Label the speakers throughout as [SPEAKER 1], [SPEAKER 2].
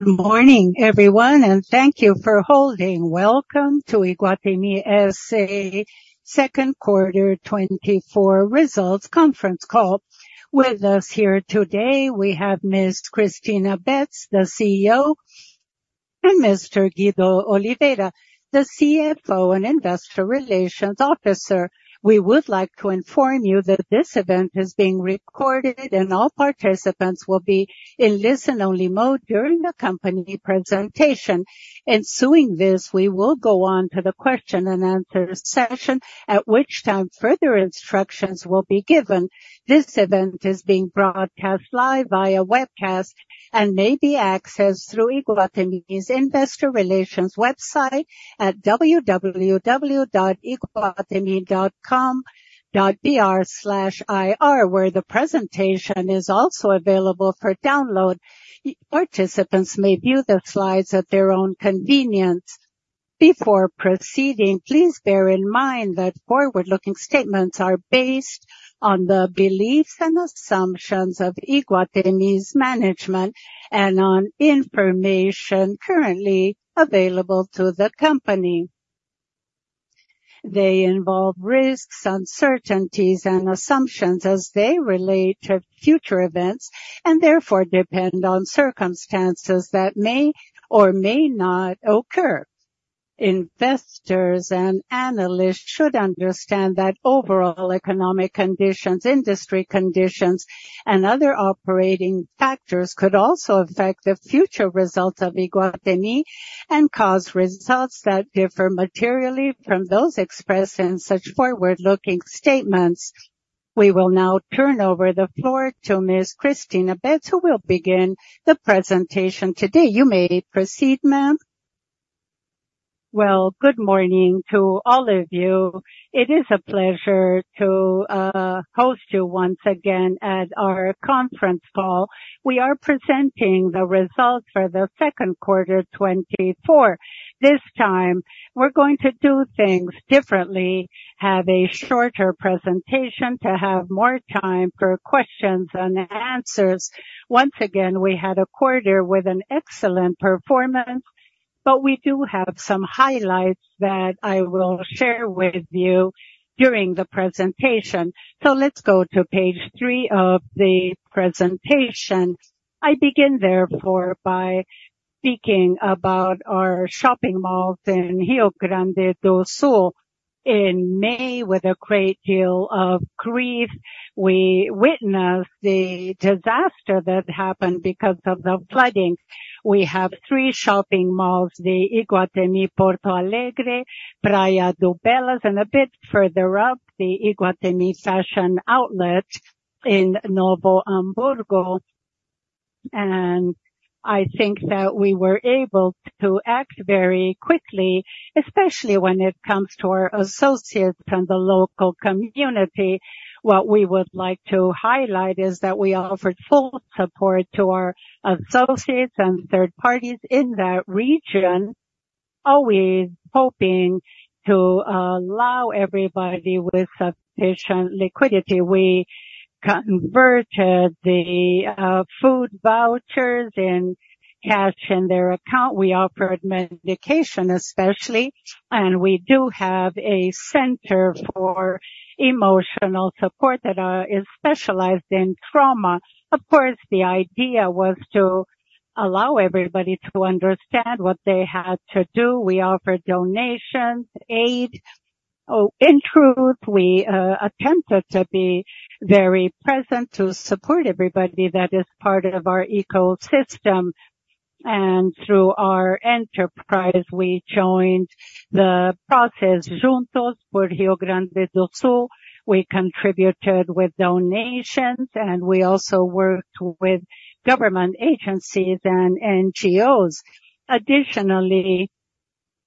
[SPEAKER 1] ...Good morning, everyone, and thank you for holding. Welcome to Iguatemi S.A. Second Quarter 2024 Results Conference Call. With us here today, we have Ms. Cristina Betts, the CEO, and Mr. Guido Oliveira, the CFO and Investor Relations Officer. We would like to inform you that this event is being recorded, and all participants will be in listen-only mode during the company presentation. Ensuing this, we will go on to the question-and-answer session, at which time further instructions will be given. This event is being broadcast live via webcast and may be accessed through Iguatemi's Investor Relations website at www.iguatemi.com.br/ir, where the presentation is also available for download. Participants may view the slides at their own convenience. Before proceeding, please bear in mind that forward-looking statements are based on the beliefs and assumptions of Iguatemi's management and on information currently available to the company. They involve risks, uncertainties and assumptions as they relate to future events, and therefore depend on circumstances that may or may not occur. Investors and Analysts should understand that overall economic conditions, industry conditions, and other operating factors could also affect the future results of Iguatemi and cause results that differ materially from those expressed in such forward-looking statements. We will now turn over the floor to Ms. Cristina Betts, who will begin the presentation today. You may proceed, ma'am. Well, good morning to all of you. It is a pleasure to host you once again at our conference call. We are presenting the results for the second quarter 2024. This time, we're going to do things differently, have a shorter presentation to have more time for questions and answers. Once again, we had a quarter with an excellent performance, but we do have some highlights that I will share with you during the presentation. Let's go to page three of the presentation. I begin, therefore, by speaking about our shopping malls in Rio Grande do Sul. In May, with a great deal of grief, we witnessed the disaster that happened because of the flooding. We have three shopping malls, the Iguatemi Porto Alegre, Praia de Belas, and a bit further up, the Iguatemi Fashion Outlet in Novo Hamburgo. I think that we were able to act very quickly, especially when it comes to our associates and the local community. What we would like to highlight is that we offered full support to our associates and third parties in that region, always hoping to allow everybody with sufficient liquidity. We converted the food vouchers and cash in their account. We offered medication, especially, and we do have a center for emotional support that is specialized in trauma. Of course, the idea was to allow everybody to understand what they had to do. We offered donations, aid. In truth, we attempted to be very present to support everybody that is part of our ecosystem, and through our enterprise, we joined the process Juntos por Rio Grande do Sul. We contributed with donations, and we also worked with government agencies and NGOs. Additionally,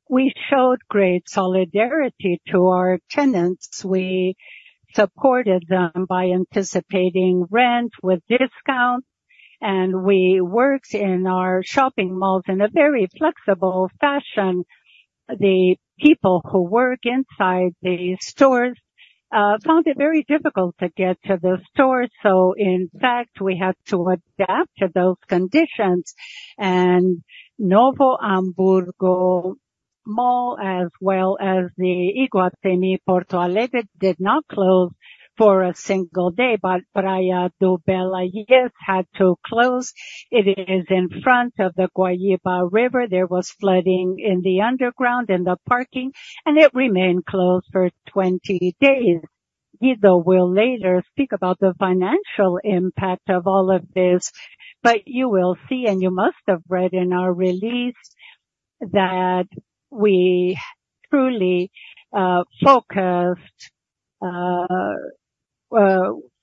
[SPEAKER 1] we showed great solidarity to our tenants. We supported them by anticipating rent with discounts, and we worked in our shopping malls in a very flexible fashion. The people who work inside the stores found it very difficult to get to the stores, so in fact, we had to adapt to those conditions. Novo Hamburgo Mall, as well as the Iguatemi Porto Alegre, did not close for a single day, but Praia de Belas, yes, had to close. It is in front of the Guaíba River. There was flooding in the underground, in the parking, and it remained closed for 20 days. Guido will later speak about the financial impact of all of this, but you will see, and you must have read in our release, that we truly focused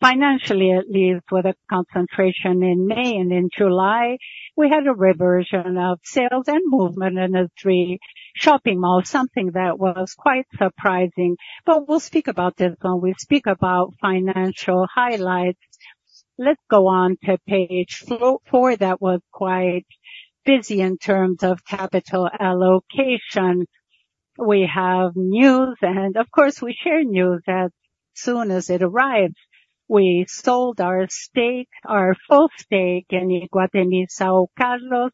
[SPEAKER 1] financially, at least with a concentration in May and in July. We had a reversion of sales and movement in the three shopping malls, something that was quite surprising. But we'll speak about this when we speak about financial highlights. Let's go on to page four. That was quite busy in terms of capital allocation.... We have news, and of course, we share news as soon as it arrives. We sold our stake, our full stake in Iguatemi São Carlos,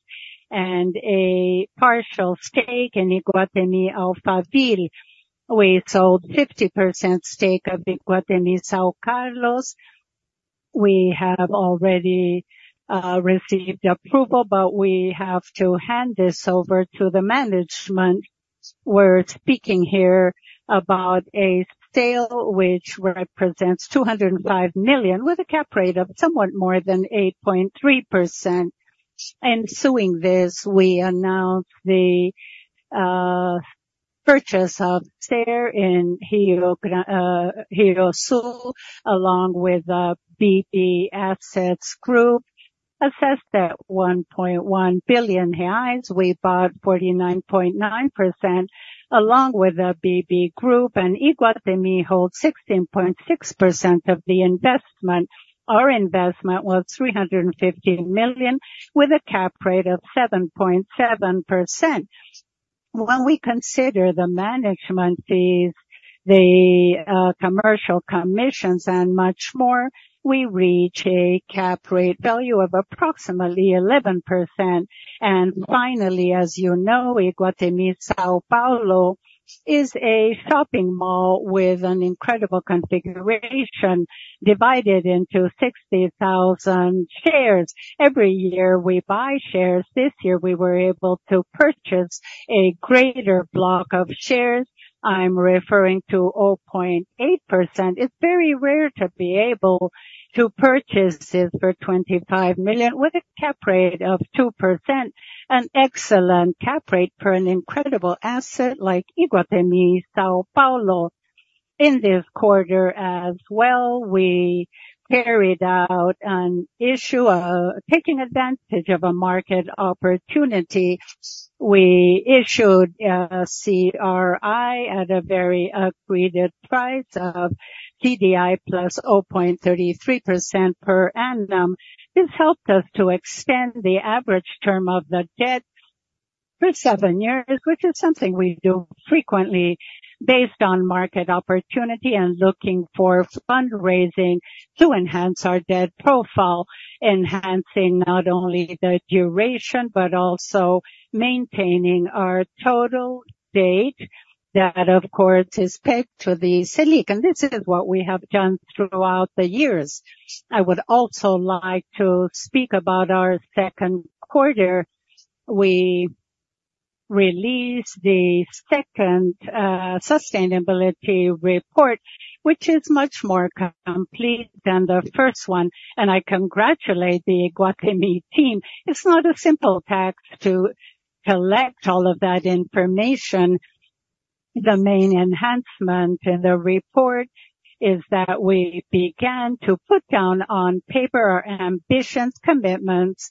[SPEAKER 1] and a partial stake in Iguatemi Alphaville. We sold 50% stake of Iguatemi São Carlos. We have already received approval, but we have to hand this over to the management. We're speaking here about a sale which represents 205 million, with a cap rate of somewhat more than 8.3%. Ensuing this, we announce the purchase of share in RioSul, along with the BB Assets Group, assessed at 1.1 billion reais. We bought 49.9%, along with the BB Group, and Iguatemi holds 16.6% of the investment. Our investment was 315 million, with a cap rate of 7.7%. When we consider the management fees, the commercial commissions, and much more, we reach a cap rate value of approximately 11%. And finally, as you know, Iguatemi São Paulo is a shopping mall with an incredible configuration, divided into 60,000 shares. Every year, we buy shares. This year, we were able to purchase a greater block of shares. I'm referring to 0.8%. It's very rare to be able to purchase this for 25 million with a cap rate of 2%. An excellent cap rate for an incredible asset like Iguatemi São Paulo. In this quarter as well, we carried out an issue, taking advantage of a market opportunity. We issued a CRI at a very agreed price of CDI plus 0.33% per annum. This helped us to extend the average term of the debt for seven years, which is something we do frequently based on market opportunity and looking for fundraising to enhance our debt profile, enhancing not only the duration, but also maintaining our total debt. That, of course, is pegged to the Selic, and this is what we have done throughout the years. I would also like to speak about our second quarter. We released the second sustainability report, which is much more complete than the first one, and I congratulate the Iguatemi team. It's not a simple task to collect all of that information. The main enhancement in the report is that we began to put down on paper our ambitions, commitments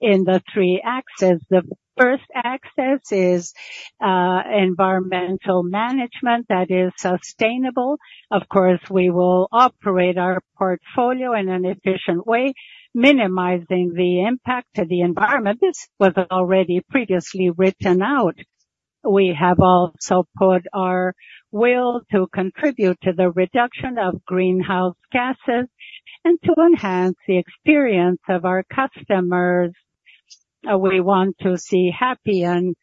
[SPEAKER 1] in the three axes. The first axis is environmental management that is sustainable. Of course, we will operate our portfolio in an efficient way, minimizing the impact to the environment. This was already previously written out. We have also put our will to contribute to the reduction of greenhouse gases and to enhance the experience of our customers. We want to see happy and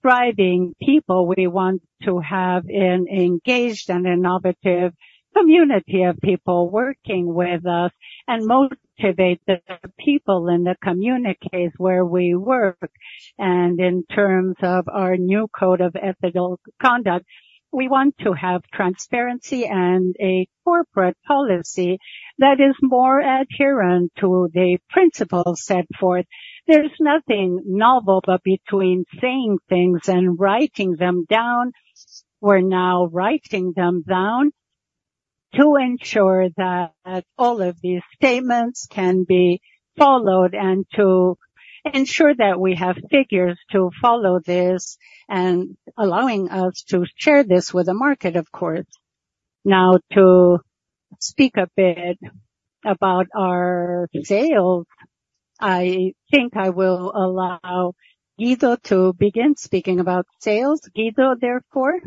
[SPEAKER 1] thriving people. We want to have an engaged and innovative community of people working with us and motivate the people in the communities where we work. And in terms of our new code of ethical conduct, we want to have transparency and a corporate policy that is more adherent to the principles set forth. There's nothing novel, but between saying things and writing them down, we're now writing them down to ensure that all of these statements can be followed and to ensure that we have figures to follow this and allowing us to share this with the market, of course. Now, to speak a bit about our sales, I think I will allow Guido to begin speaking about sales. Guido, therefore?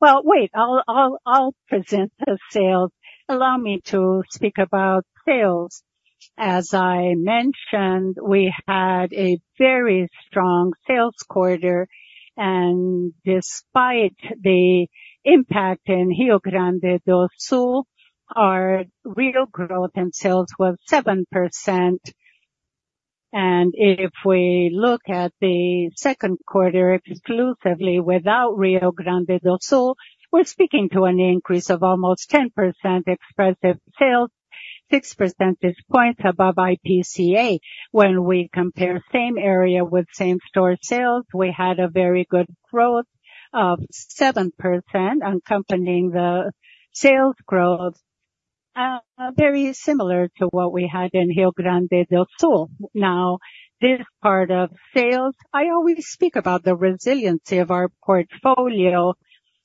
[SPEAKER 1] Well, wait, I'll, I'll, I'll present the sales. Allow me to speak about sales. As I mentioned, we had a very strong sales quarter, and despite the impact in Rio Grande do Sul, our real growth in sales was 7%. And if we look at the second quarter exclusively without Rio Grande do Sul, we're speaking to an increase of almost 10% expressive sales, 6 percentage points above IPCA. When we compare same area with same store sales, we had a very good growth of 7%, accompanying the sales growth, very similar to what we had in Rio Grande do Sul. Now, this part of sales, I always speak about the resiliency of our portfolio.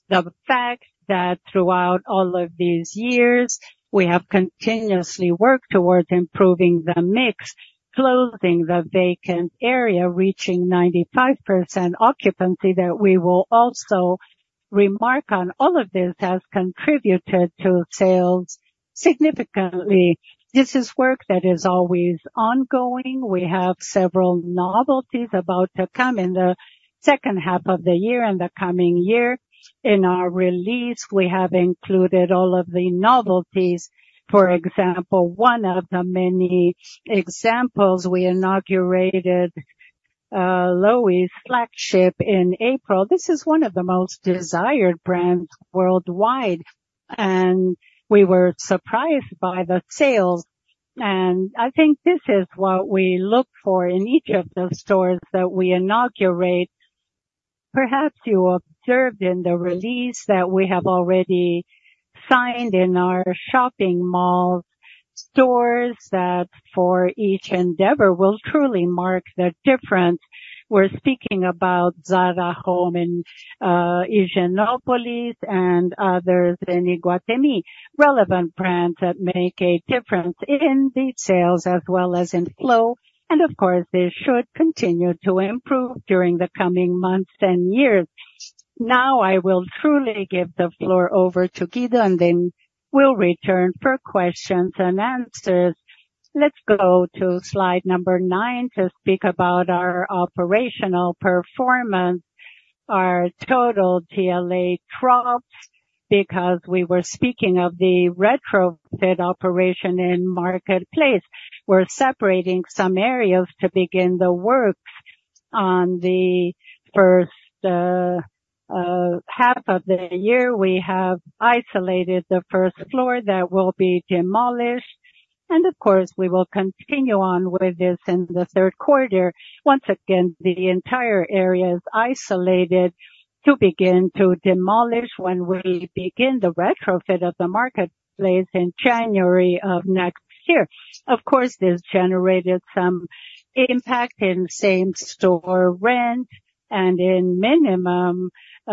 [SPEAKER 1] The fact that throughout all of these years, we have continuously worked towards improving the mix, closing the vacant area, reaching 95% occupancy, that we will also remark on all of this has contributed to sales significantly. This is work that is always ongoing. We have several novelties about to come in the second half of the year and the coming year. In our release, we have included all of the novelties. For example, one of the many examples, we inaugurated Loewe's flagship in April. This is one of the most desired brands worldwide, and we were surprised by the sales. And I think this is what we look for in each of the stores that we inaugurate. Perhaps you observed in the release that we have already signed in our shopping mall stores, that for each endeavor will truly mark the difference. We're speaking about Zara Home in Higienópolis and others in Iguatemi. Relevant brands that make a difference in the sales as well as in flow, and of course, this should continue to improve during the coming months and years. Now, I will truly give the floor over to Guido, and then we'll return for questions and answers. Let's go to slide number nine to speak about our operational performance. Our total GLA dropped because we were speaking of the retrofit operation in Market Place. We're separating some areas to begin the work. On the first half of the year, we have isolated the first floor that will be demolished, and of course, we will continue on with this in the third quarter. Once again, the entire area is isolated to begin to demolish when we begin the retrofit of the Market Place in January of next year. Of course, this generated some impact in same-store rent and in minimum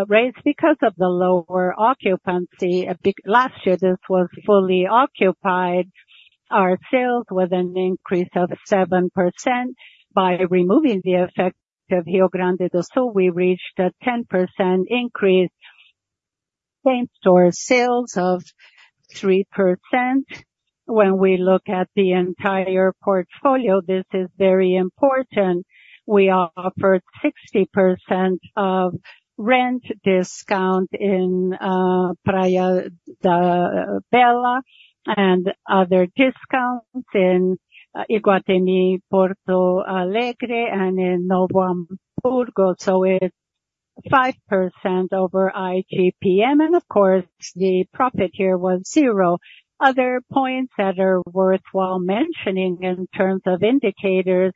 [SPEAKER 1] rates because of the lower occupancy. Last year, this was fully occupied. Our sales was an increase of 7%. By removing the effect of Rio Grande do Sul, we reached a 10% increase, same-store sales of 3%. When we look at the entire portfolio, this is very important. We offered 60% of rent discount in Praia de Belas and other discounts in Iguatemi Porto Alegre, and in Novo Hamburgo. So it's 5% over IGP-M, and of course, the profit here was zero. Other points that are worthwhile mentioning in terms of indicators,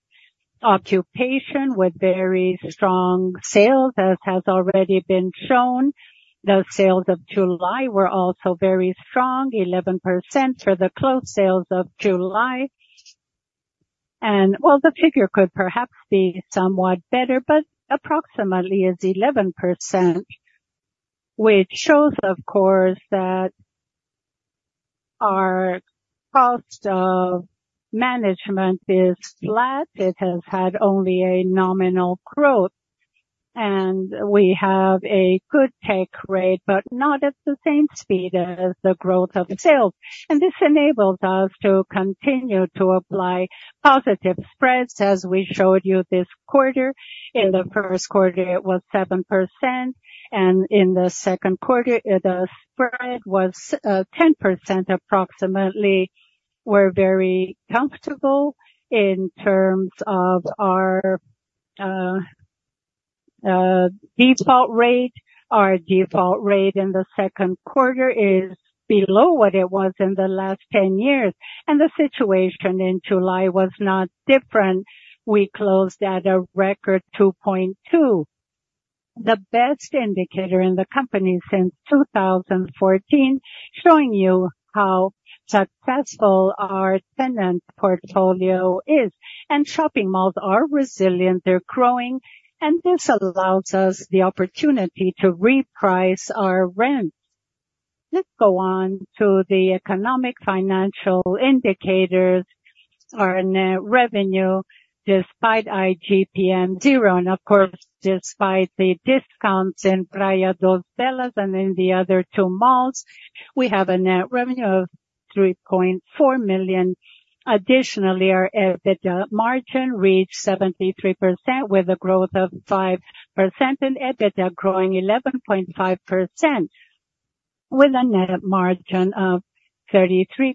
[SPEAKER 1] occupation with very strong sales, as has already been shown. The sales of July were also very strong, 11% for the clothes sales of July. And well, the figure could perhaps be somewhat better, but approximately is 11%, which shows, of course, that our cost of management is flat. It has had only a nominal growth, and we have a good take rate, but not at the same speed as the growth of sales. And this enables us to continue to apply positive spreads. As we showed you this quarter, in the first quarter, it was 7%, and in the second quarter, the spread was, 10%, approximately. We're very comfortable in terms of our default rate. Our default rate in the second quarter is below what it was in the last 10 years, and the situation in July was not different. We closed at a record 2.2. The best indicator in the company since 2014, showing you how successful our tenant portfolio is. Shopping malls are resilient, they're growing, and this allows us the opportunity to reprice our rents. Let's go on to the economic financial indicators. Our net revenue, despite IGP-M zero, and of course, despite the discounts in Praia de Belas and in the other two malls, we have a net revenue of 3.4 million. Additionally, our EBITDA margin reached 73%, with a growth of 5% in EBITDA growing 11.5%, with a net margin of 33%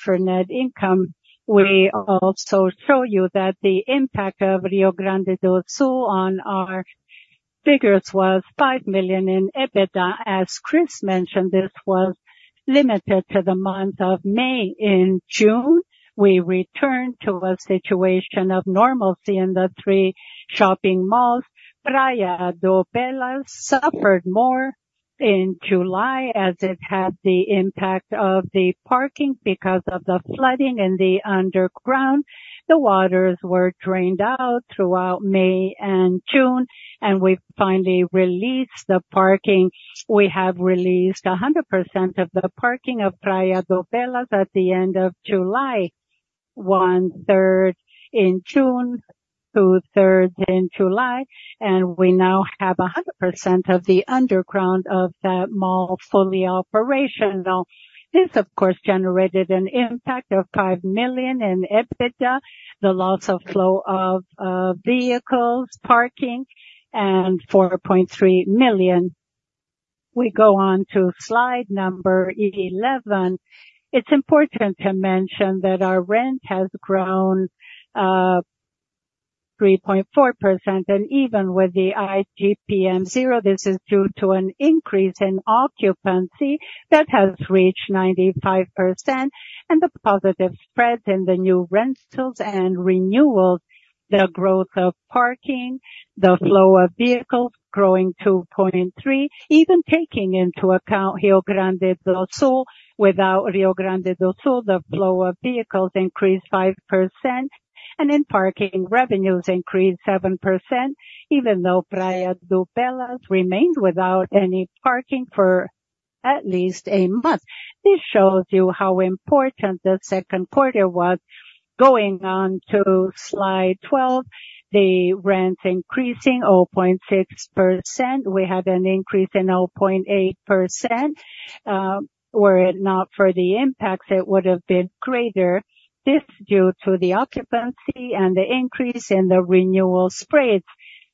[SPEAKER 1] for net income. We also show you that the impact of Rio Grande do Sul on our figures was 5 million in EBITDA. As Cris mentioned, this was limited to the month of May. In June, we returned to a situation of normalcy in the three shopping malls. Praia de Belas suffered more in July, as it had the impact of the parking because of the flooding in the underground. The waters were drained out throughout May and June, and we finally released the parking. We have released 100% of the parking of Praia de Belas at the end of July, 1/3 in June, two-thirds in July, and we now have 100% of the underground of that mall fully operational. This, of course, generated an impact of 5 million in EBITDA, the loss of flow of vehicles, parking, and 4.3 million. We go on to slide 11. It's important to mention that our rent has grown 3.4%, and even with the IGP-M 0, this is due to an increase in occupancy that has reached 95% and the positive spread in the new rentals and renewals, the growth of parking, the flow of vehicles growing 2.3, even taking into account Rio Grande do Sul. Without Rio Grande do Sul, the flow of vehicles increased 5%, and in parking, revenues increased 7%, even though Praia de Belas remained without any parking for at least a month. This shows you how important the second quarter was. Going on to slide 12, the rent increasing 0.6%. We had an increase in 0.8%. Were it not for the impacts, it would have been greater. This due to the occupancy and the increase in the renewal spreads,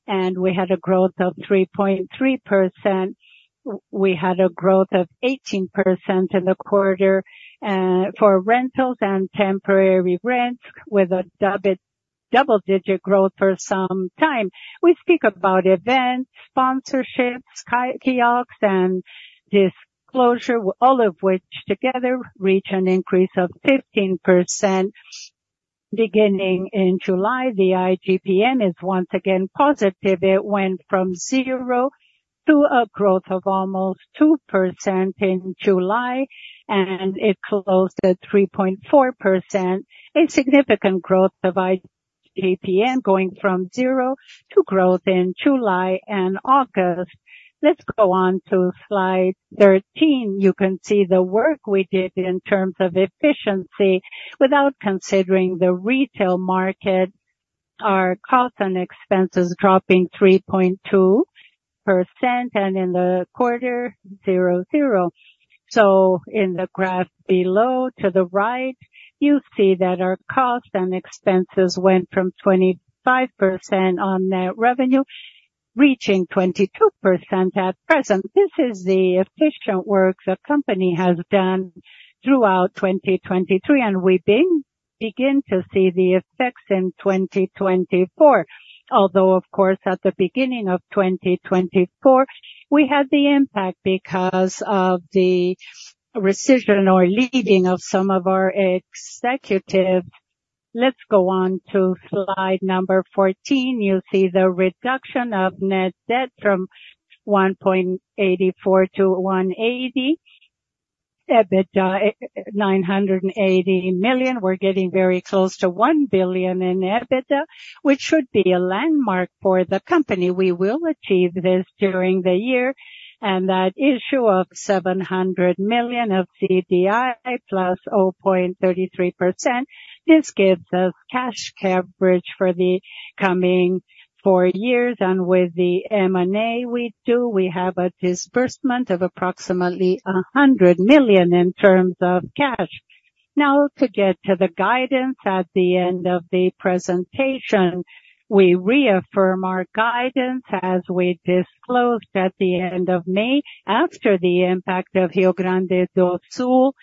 [SPEAKER 1] and we had a growth of 3.3%. We had a growth of 18% in the quarter for rentals and temporary rents, with a double-digit growth for some time. We speak about events, sponsorships, kiosks, and this closure, all of which together reach an increase of 15%. Beginning in July, the IGP-M is once again positive. It went from zero to a growth of almost 2% in July, and it closed at 3.4%. A significant growth of IGP-M, going from zero to growth in July and August. Let's go on to slide 13. You can see the work we did in terms of efficiency. Without considering the retail market, our costs and expenses dropping 3.2%, and in the quarter, zero zero. So in the graph below, to the right, you see that our costs and expenses went from 25% on net revenue, reaching 22% at present. This is the efficient work the company has done throughout 2023, and we begin to see the effects in 2024. Although, of course, at the beginning of 2024, we had the impact because of the rescission or leaving of some of our executives. Let's go on to slide number 14. You'll see the reduction of net debt from 1.84-1.80. EBITDA, 980 million. We're getting very close to one billion in EBITDA, which should be a landmark for the company. We will achieve this during the year, and that issue of 700 million of CDI plus 0.33%, this gives us cash coverage for the coming four years. With the M&A we do, we have a disbursement of approximately 100 million in terms of cash. Now, to get to the guidance at the end of the presentation, we reaffirm our guidance as we disclosed at the end of May. After the impact of Rio Grande do Sul,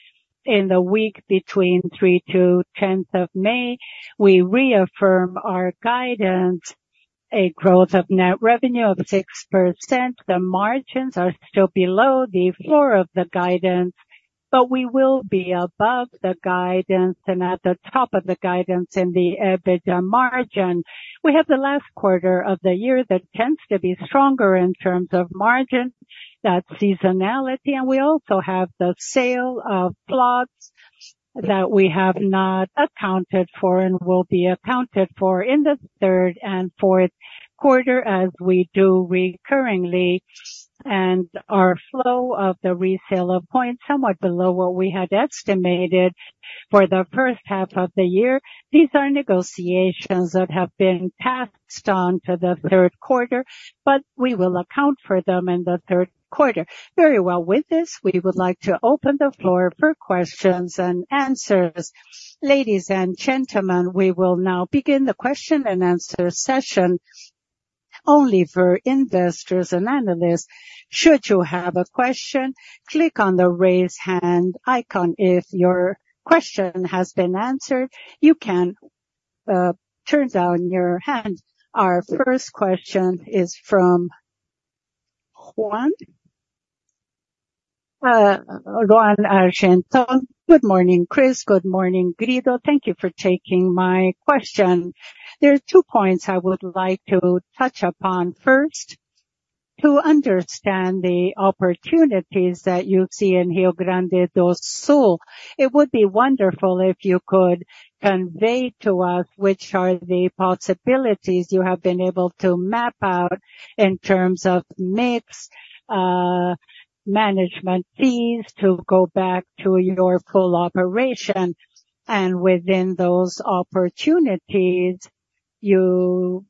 [SPEAKER 1] in the week between 3rd to 10th of May, we reaffirm our guidance, a growth of net revenue of 6%. The margins are still below the floor of the guidance, but we will be above the guidance and at the top of the guidance in the EBITDA margin. We have the last quarter of the year that tends to be stronger in terms of margin, that seasonality, and we also have the sale of plots that we have not accounted for and will be accounted for in the third and fourth quarter, as we do recurringly. And our flow of the resale of points, somewhat below what we had estimated for the first half of the year. These are negotiations that have been passed on to the third quarter, but we will account for them in the third quarter. Very well. With this, we would like to open the floor for questions-and-answers. Ladies, and gentlemen, we will now begin the question-and-answer session only for Investors and Analysts. Should you have a question, click on the Raise Hand icon. If your question has been answered, you can turn down your hand. Our first question is from Juan Argento. Good morning, Cris. Good morning, Guido. Thank you for taking my question. There are two points I would like to touch upon. First, to understand the opportunities that you see in Rio Grande do Sul. It would be wonderful if you could convey to us which are the possibilities you have been able to map out in terms of mix, management fees, to go back to your full operation, and within those opportunities, you,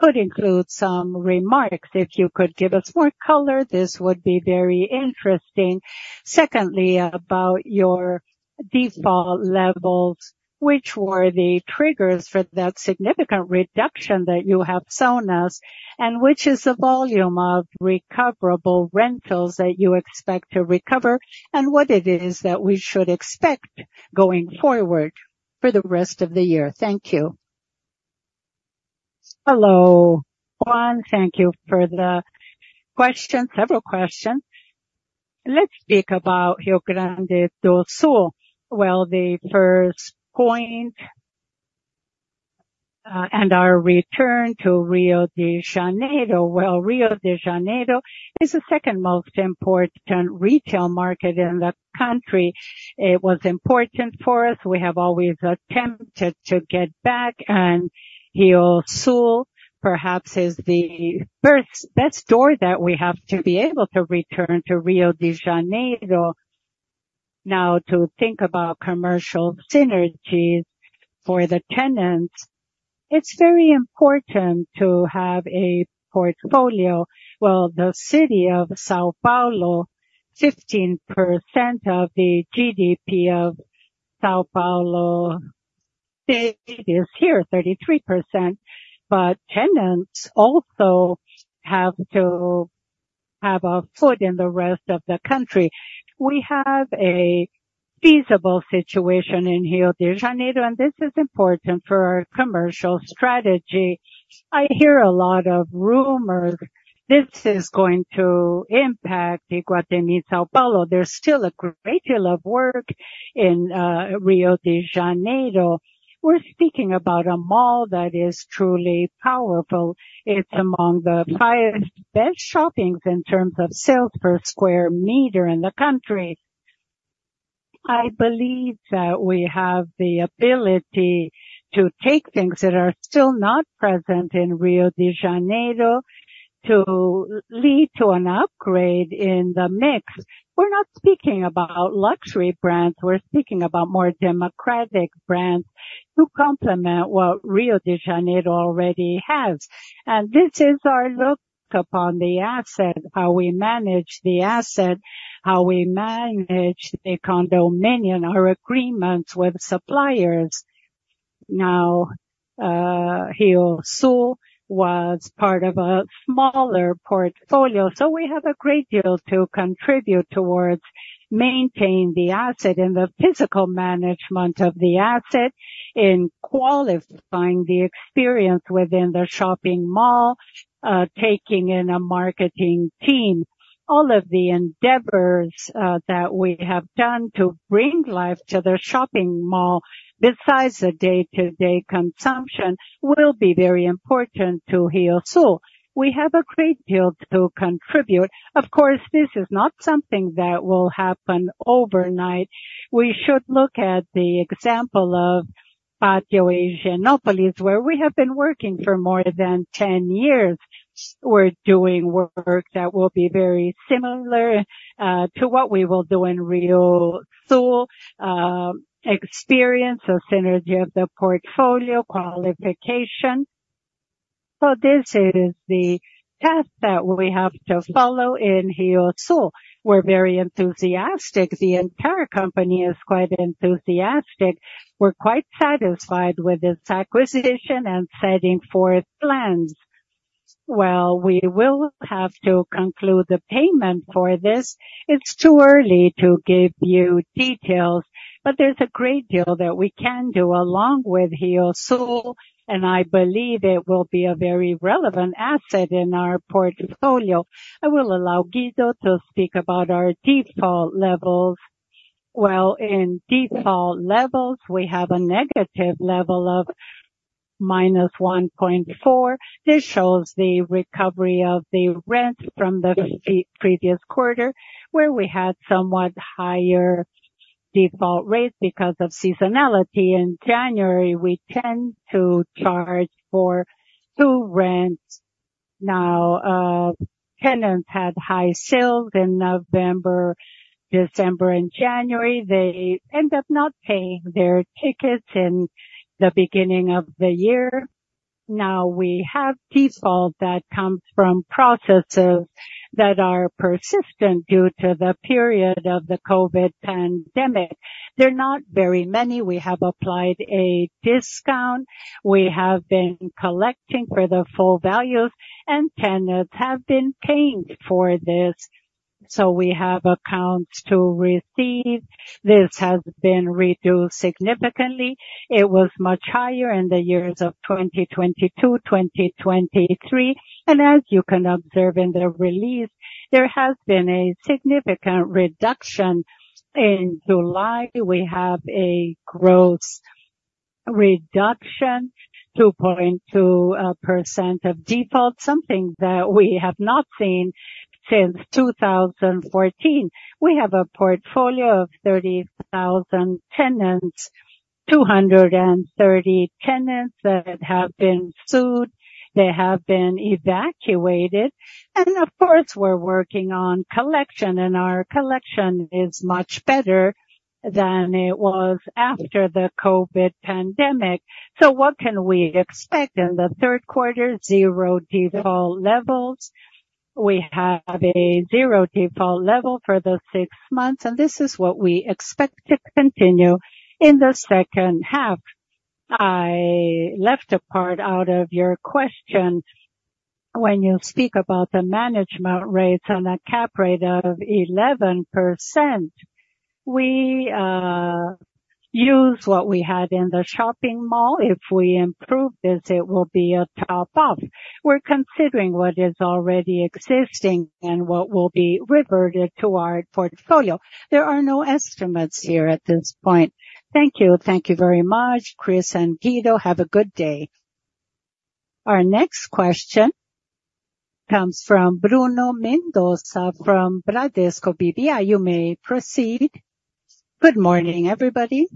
[SPEAKER 1] could include some remarks. If you could give us more color, this would be very interesting. Secondly, about your default levels, which were the triggers for that significant reduction that you have shown us, and which is the volume of recoverable rentals that you expect to recover, and what it is that we should expect going forward for the rest of the year? Thank you. Hello, Juan. Thank you for the question. Several questions. Let's speak about Rio Grande do Sul. Well, the first point, and our return to Rio de Janeiro. Well, Rio de Janeiro is the second most important retail market in the country. It was important for us. We have always attempted to get back, and RioSul perhaps is the first best store that we have to be able to return to Rio de Janeiro. Now, to think about commercial synergies for the tenants, it's very important to have a portfolio. Well, the city of São Paulo, 15% of the GDP of São Paulo state is here, 33%, but tenants also have to have a foot in the rest of the country. We have a feasible situation in Rio de Janeiro, and this is important for our commercial strategy. I hear a lot of rumors. This is going to impact Iguatemi São Paulo. There's still a great deal of work in Rio de Janeiro. We're speaking about a mall that is truly powerful. It's among the highest, best shoppings in terms of sales per square meter in the country. I believe that we have the ability to take things that are still not present in Rio de Janeiro to lead to an upgrade in the mix. We're not speaking about luxury brands. We're speaking about more democratic brands to complement what Rio de Janeiro already has. And this is our look upon the asset, how we manage the asset, how we manage the condominium, our agreements with suppliers. Now, RioSul was part of a smaller portfolio, so we have a great deal to contribute towards maintaining the asset and the physical management of the asset, in qualifying the experience within the shopping mall, taking in a marketing team. All of the endeavors that we have done to bring life to the shopping mall, besides the day-to-day consumption, will be very important to RioSul. We have a great deal to contribute. Of course, this is not something that will happen overnight. We should look at the example of Pátio Higienópolis, where we have been working for more than 10 years. We're doing work that will be very similar to what we will do in RioSul. Experience, the synergy of the portfolio, qualification. So this is the path that we have to follow in RioSul. We're very enthusiastic. The entire company is quite enthusiastic. We're quite satisfied with this acquisition and setting forth plans. Well, we will have to conclude the payment for this. It's too early to give you details, but there's a great deal that we can do along with RioSul, and I believe it will be a very relevant asset in our portfolio. I will allow Guido to speak about our default levels. Well, in default levels, we have a negative level of -1.4. This shows the recovery of the rents from the previous quarter, where we had somewhat higher default rates because of seasonality. In January, we tend to charge for two rents. Now, tenants had high sales in November, December and January. They end up not paying their tickets in the beginning of the year. Now, we have default that comes from processes that are persistent due to the period of the COVID pandemic. They're not very many. We have applied a discount. We have been collecting for the full values, and tenants have been paying for this. So we have accounts to receive. This has been reduced significantly. It was much higher in the years of 2022, 2023, and as you can observe in the release, there has been a significant reduction. In July, we have a gross reduction, 2.2% of default, something that we have not seen since 2014. We have a portfolio of 30,000 tenants, 230 tenants that have been sued, they have been evacuated. And of course, we're working on collection, and our collection is much better than it was after the COVID pandemic. So what can we expect in the third quarter? Zero default levels. We have a zero default level for the six months, and this is what we expect to continue in the second half. I left a part out of your question. When you speak about the management rates on a Cap Rate of 11%, we use what we had in the shopping mall. If we improve this, it will be a top up. We're considering what is already existing and what will be reverted to our portfolio. There are no estimates here at this point. Thank you. Thank you very much, Cris and Guido. Have a good day. Our next question comes from Bruno Mendonça from Bradesco BBI. You may proceed. Good morning, everybody.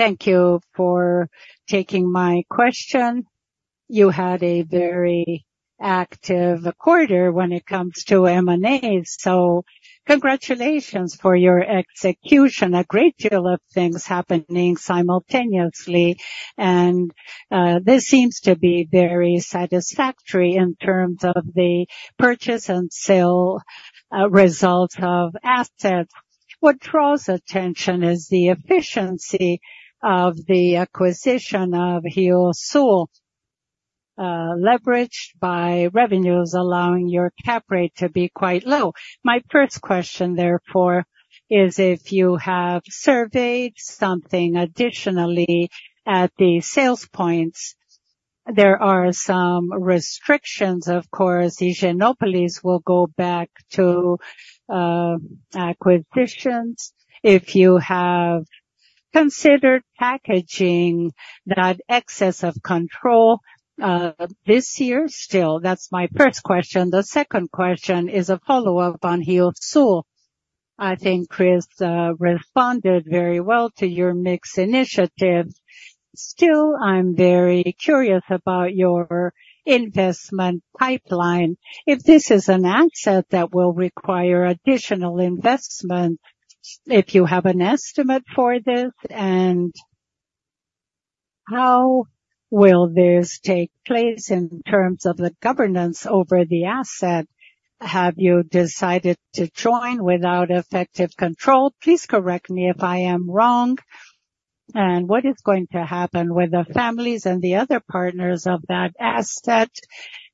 [SPEAKER 1] Thank you for taking my question. You had a very active quarter when it comes to M&A, so congratulations for your execution. A great deal of things happening simultaneously, and this seems to be very satisfactory in terms of the purchase and sale result of assets. What draws attention is the efficiency of the acquisition of RioSul, leveraged by revenues, allowing your cap rate to be quite low. My first question, therefore, is if you have surveyed something additionally at the sales points. There are some restrictions of course. Higienópolis will go back to acquisitions. If you have considered packaging that excess of control, this year still, that's my first question. The second question is a follow-up on RioSul. I think Cris responded very well to your mix initiatives. Still, I'm very curious about your investment pipeline. If this is an asset that will require additional investment, if you have an estimate for this, and how will this take place in terms of the governance over the asset? Have you decided to join without effective control? Please correct me if I am wrong. And what is going to happen with the families and the other partners of that asset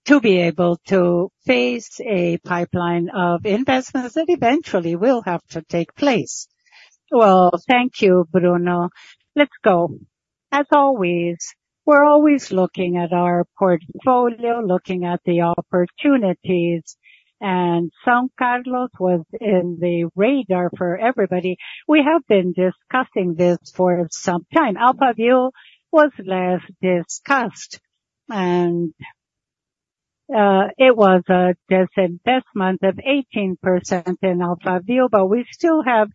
[SPEAKER 1] to be able to face a pipeline of investments that eventually will have to take place? Well, thank you, Bruno. Let's go. As always, we're always looking at our portfolio, looking at the opportunities, and São Carlos was in the radar for everybody. We have been discussing this for some time. Alphaville was less discussed and, it was a disinvestment of 18% in Alphaville, but we still have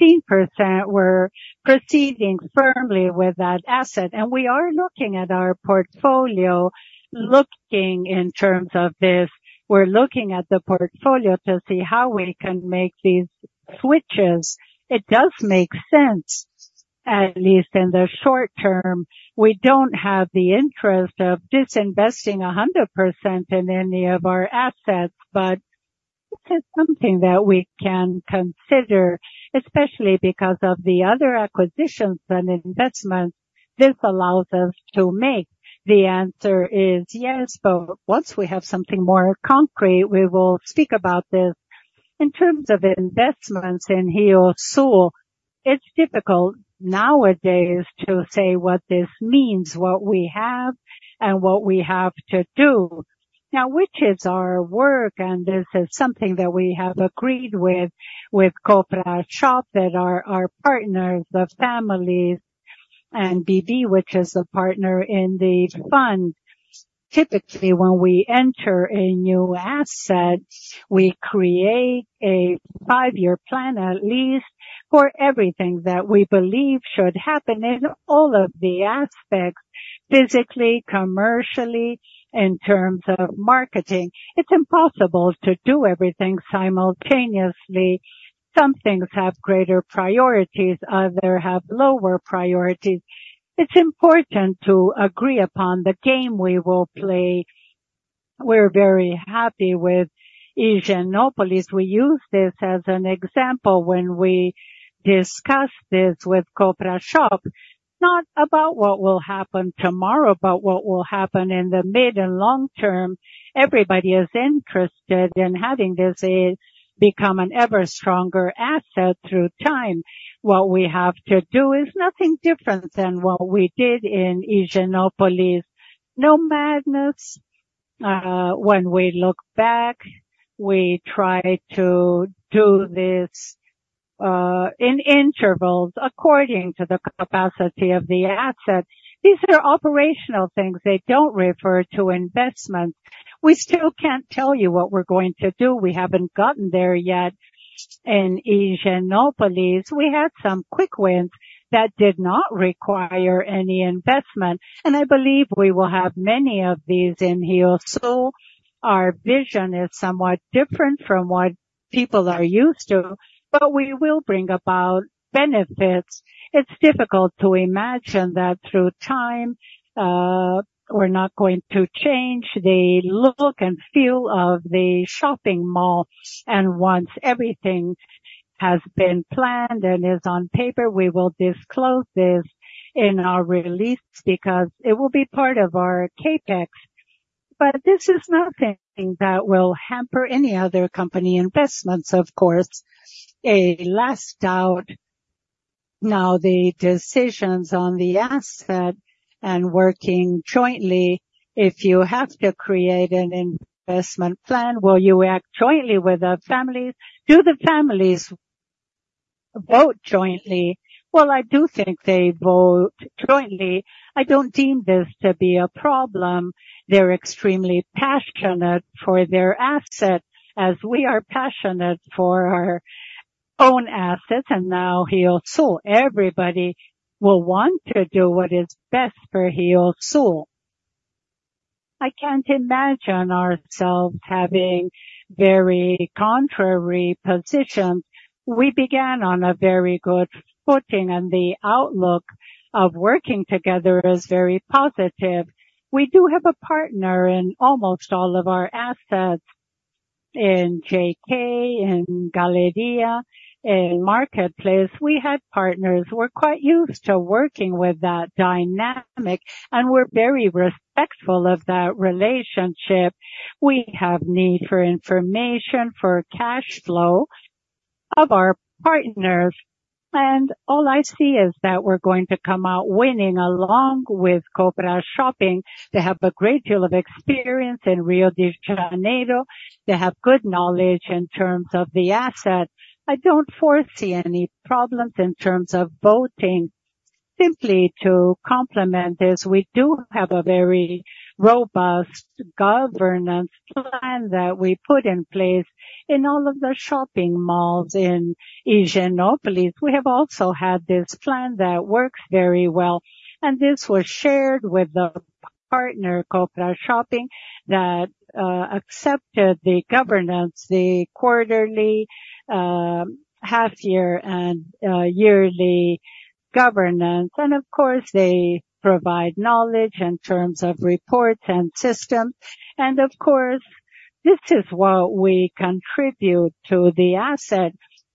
[SPEAKER 1] 16%. We're proceeding firmly with that asset, and we are looking at our portfolio, looking in terms of this, we're looking at the portfolio to see how we can make these switches. It does make sense, at least in the short term. We don't have the interest of disinvesting 100% in any of our assets, but this is something that we can consider, especially because of the other acquisitions and investments this allows us to make. The answer is yes, but once we have something more concrete, we will speak about this. In terms of investments in RioSul, it's difficult nowadays to say what this means, what we have and what we have to do. Now, which is our work, and this is something that we have agreed with Combrasma, that are our partners, the families and BB, which is a partner in the fund. Typically, when we enter a new asset, we create a five-year plan, at least, for everything that we believe should happen in all of the aspects, physically, commercially, in terms of marketing. It's impossible to do everything simultaneously. Some things have greater priorities, others have lower priorities. It's important to agree upon the game we will play. We're very happy with Higienópolis. We use this as an example when we discuss this with Combrasma, not about what will happen tomorrow, but what will happen in the mid and long term. Everybody is interested in having this, become an ever stronger asset through time. What we have to do is nothing different than what we did in Higienópolis. No madness.... when we look back, we try to do this, in intervals according to the capacity of the asset. These are operational things. They don't refer to investment. We still can't tell you what we're going to do. We haven't gotten there yet. In Higienópolis, we had some quick wins that did not require any investment, and I believe we will have many of these in RioSul. Our vision is somewhat different from what people are used to, but we will bring about benefits. It's difficult to imagine that through time, we're not going to change the look and feel of the shopping mall, and once everything has been planned and is on paper, we will disclose this in our release because it will be part of our CapEx. But this is nothing that will hamper any other company investments, of course. A last out, now, the decisions on the asset and working jointly, if you have to create an investment plan, will you act jointly with the families? Do the families vote jointly? Well, I do think they vote jointly. I don't deem this to be a problem. They're extremely passionate for their asset, as we are passionate for our own assets, and now RioSul. Everybody will want to do what is best for RioSul. I can't imagine ourselves having very contrary positions. We began on a very good footing, and the outlook of working together is very positive. We do have a partner in almost all of our assets. In JK, in Galleria, in Market Place, we have partners. We're quite used to working with that dynamic, and we're very respectful of that relationship. We have need for information, for cash flows of our partners, and all I see is that we're going to come out winning along with Combrasma. They have a great deal of experience in Rio de Janeiro. They have good knowledge in terms of the asset. I don't foresee any problems in terms of voting. Simply to complement this, we do have a very robust governance plan that we put in place in all of the shopping malls in Higienópolis. We have also had this plan that works very well, and this was shared with the partner, Combrasma, that accepted the governance, the quarterly, half year and, yearly governance. And of course, they provide knowledge in terms of reports and systems. And of course, this is what we contribute to the asset.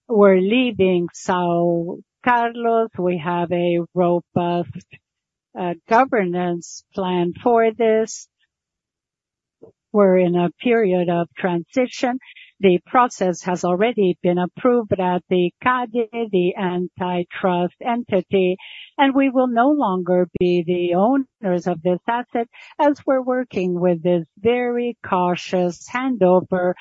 [SPEAKER 1] We're leaving São Carlos. We have a robust governance plan for this. We're in a period of transition. The process has already been approved at the CADE, the antitrust entity, and we will no longer be the owners of this asset as we're working with this very cautious handover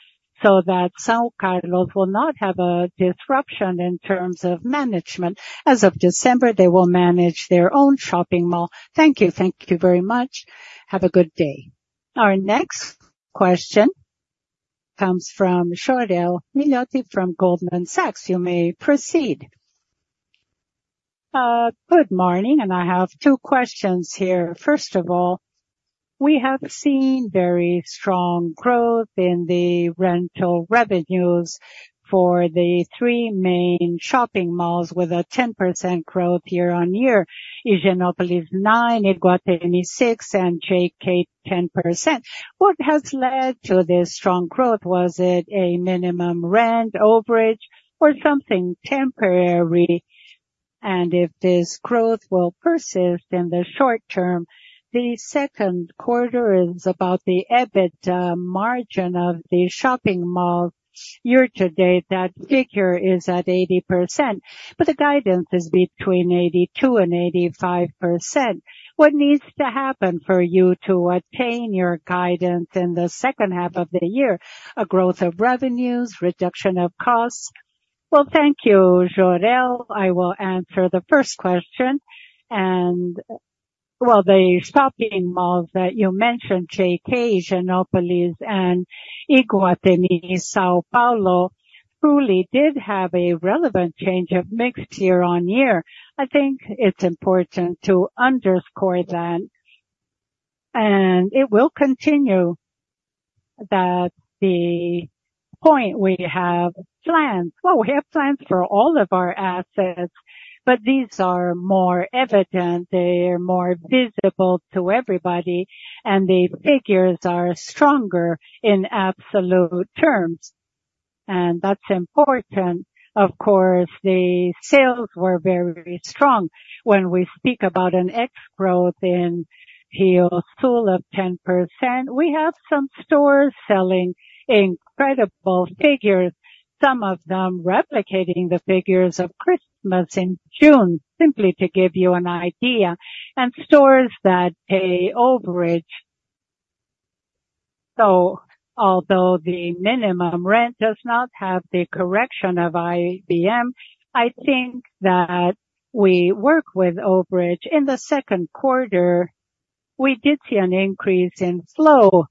[SPEAKER 1] so that São Carlos will not have a disruption in terms of management. As of December, they will manage their own shopping mall. Thank you. Thank you very much. Have a good day. Our next question comes from Jorel Guilloty from Goldman Sachs. You may proceed. Good morning, and I have two questions here. First of all, we have seen very strong growth in the rental revenues for the three main shopping malls, with a 10% growth year-on-year. Higienópolis, 9%, Iguatemi, 6%, and JK, 10%. What has led to this strong growth? Was it a minimum rent overage or something temporary? And if this growth will persist in the short term, the second question is about the EBIT margin of the shopping mall. Year to date, that figure is at 80%, but the guidance is between 82% and 85%. What needs to happen for you to attain your guidance in the second half of the year? A growth of revenues, reduction of costs? Well, thank you, Jorel. I will answer the first question. And well, the shopping malls that you mentioned, JK, Higienópolis, and Iguatemi São Paulo, truly did have a relevant change of mix year-over-year. I think it's important to underscore that, and it will continue that the point we have plans. Well, we have plans for all of our assets, but these are more evident, they are more visible to everybody, and the figures are stronger in absolute terms, and that's important. Of course, the sales were very strong. When we speak about an ex growth in RioSul of 10%, we have some stores selling incredible figures, some of them replicating the figures of Christmas in June, simply to give you an idea, and stores that pay overage... So although the minimum rent does not have the correction of IGP-M, I think that we work with overage. In the second quarter, we did see an increase in flow.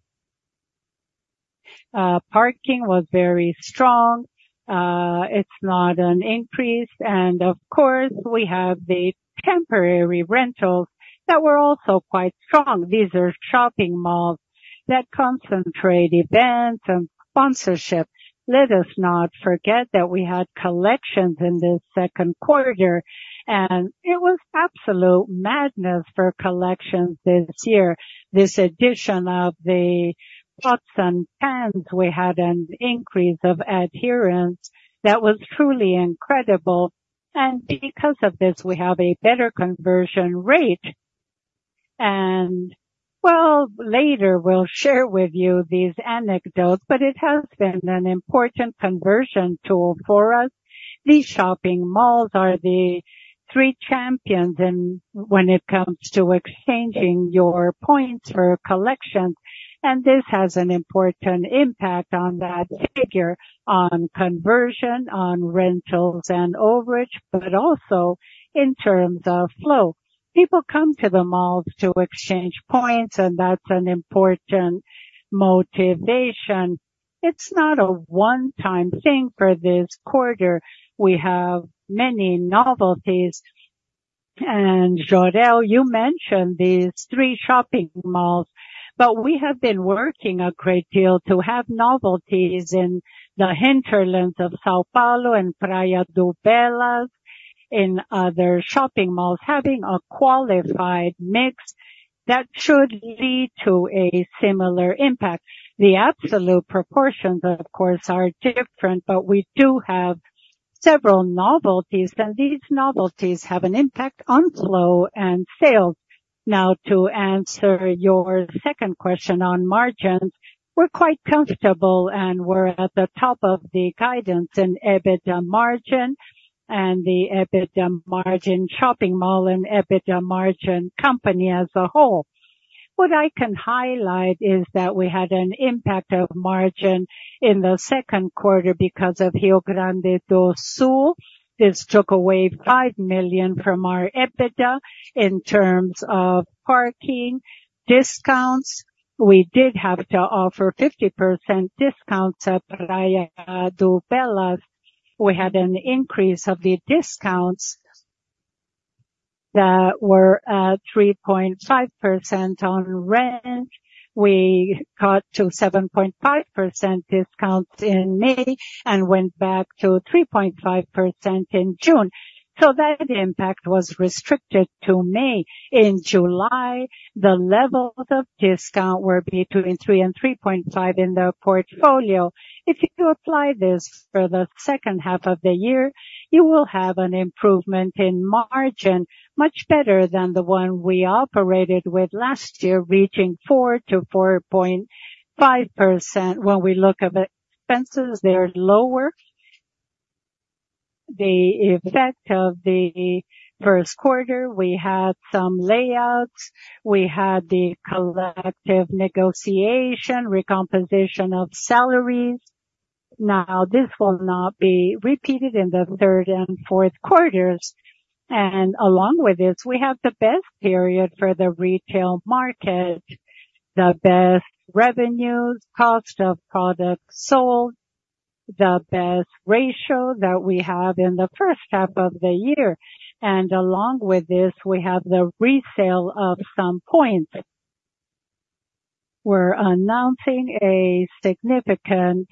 [SPEAKER 1] Parking was very strong. It's not an increase. And of course, we have the temporary rentals that were also quite strong. These are shopping malls that concentrate events and sponsorship. Let us not forget that we had collections in the second quarter, and it was absolute madness for collections this year. This addition of the pots and pans, we had an increase of adherence that was truly incredible, and because of this, we have a better conversion rate. Well, later, we'll share with you these anecdotes, but it has been an important conversion tool for us. These shopping malls are the three champions in, when it comes to exchanging your points or collections, and this has an important impact on that figure, on conversion, on rentals and overage, but also in terms of flow. People come to the malls to exchange points, and that's an important motivation. It's not a one-time thing for this quarter. We have many novelties. Jorel, you mentioned these three shopping malls, but we have been working a great deal to have novelties in the hinterlands of São Paulo and Praia de Belas, in other shopping malls, having a qualified mix that should lead to a similar impact. The absolute proportions, of course, are different, but we do have several novelties, and these novelties have an impact on flow and sales. Now, to answer your second question on margins, we're quite comfortable, and we're at the top of the guidance in EBITDA margin and the EBITDA margin shopping mall and EBITDA margin company as a whole. What I can highlight is that we had an impact of margin in the second quarter because of Rio Grande do Sul. This took away 5 million from our EBITDA. In terms of parking discounts, we did have to offer 50% discounts at Praia de Belas. We had an increase of the discounts that were 3.5% on rent. We got to 7.5% discounts in May and went back to 3.5% in June. So that impact was restricted to May. In July, the levels of discount were between 3% and 3.5% in the portfolio. If you apply this for the second half of the year, you will have an improvement in margin, much better than the one we operated with last year, reaching 4%-4.5%. When we look at the expenses, they're lower. The effect of the first quarter, we had some layouts. We had the collective negotiation, recomposition of salaries. Now, this will not be repeated in the third and fourth quarters, and along with this, we have the best period for the retail market, the best revenues, cost of products sold, the best ratio that we have in the first half of the year. And along with this, we have the resale of some points. We're announcing a significant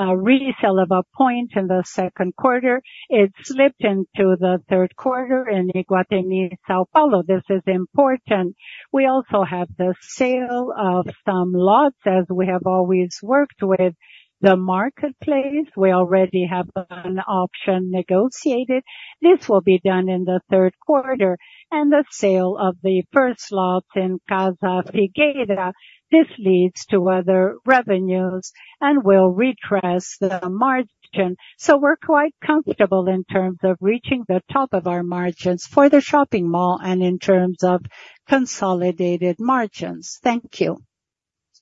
[SPEAKER 1] resell of a point in the second quarter. It slipped into the third quarter in Iguatemi São Paulo. This is important. We also have the sale of some lots, as we have always worked with the Market Place. We already have an option negotiated. This will be done in the third quarter, and the sale of the first lot in Casa Figueira. This leads to other revenues and will redress the margin. So we're quite comfortable in terms of reaching the top of our margins for the shopping mall and in terms of consolidated margins. Thank you.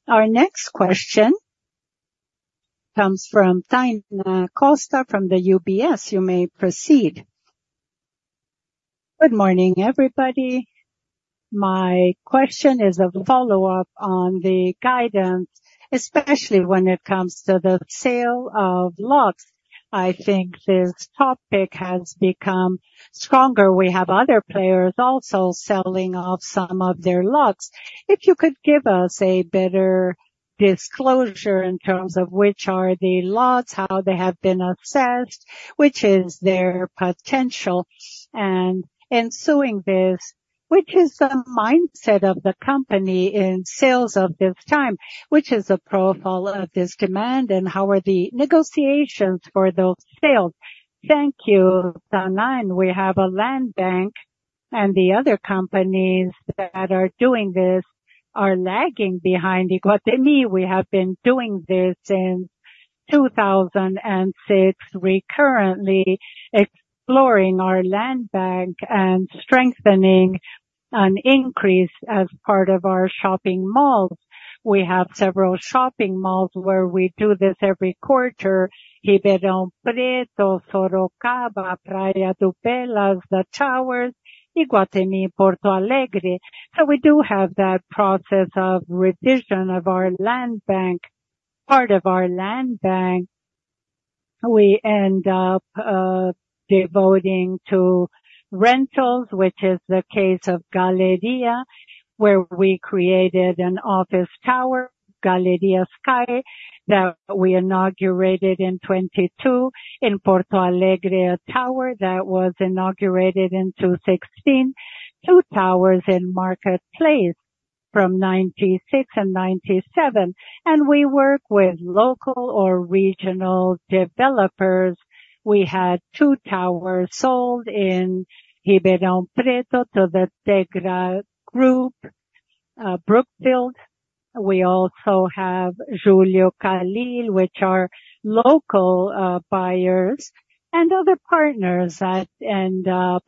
[SPEAKER 1] Our next question comes from Tainá Costa from UBS. You may proceed. Good morning, everybody. My question is a follow-up on the guidance, especially when it comes to the sale of lots. I think this topic has become stronger. We have other players also selling off some of their lots. If you could give us a better disclosure in terms of which are the lots, how they have been assessed, which is their potential, and ensuing this, which is the mindset of the company in sales of this time, which is the profile of this demand, and how are the negotiations for those sales? Thank you, Tainá. We have a land bank, and the other companies that are doing this are lagging behind Iguatemi. We have been doing this since 2006. We currently exploring our land bank and strengthening an increase as part of our shopping malls. We have several shopping malls where we do this every quarter. Ribeirão Preto, Sorocaba, Praia de Belas, the Towers, Iguatemi, Porto Alegre. So we do have that process of revision of our land bank. Part of our land bank, we end up devoting to rentals, which is the case of Galleria, where we created an office tower, Galleria Sky, that we inaugurated in 2022. In Porto Alegre, a tower that was inaugurated in 2016, two towers in Market Place from 1996 and 1997. And we work with local or regional developers. We had two towers sold in Ribeirão Preto to the Tegra Group, Brookfield. We also have Hugo Engenharia, which are local, buyers and other partners that end up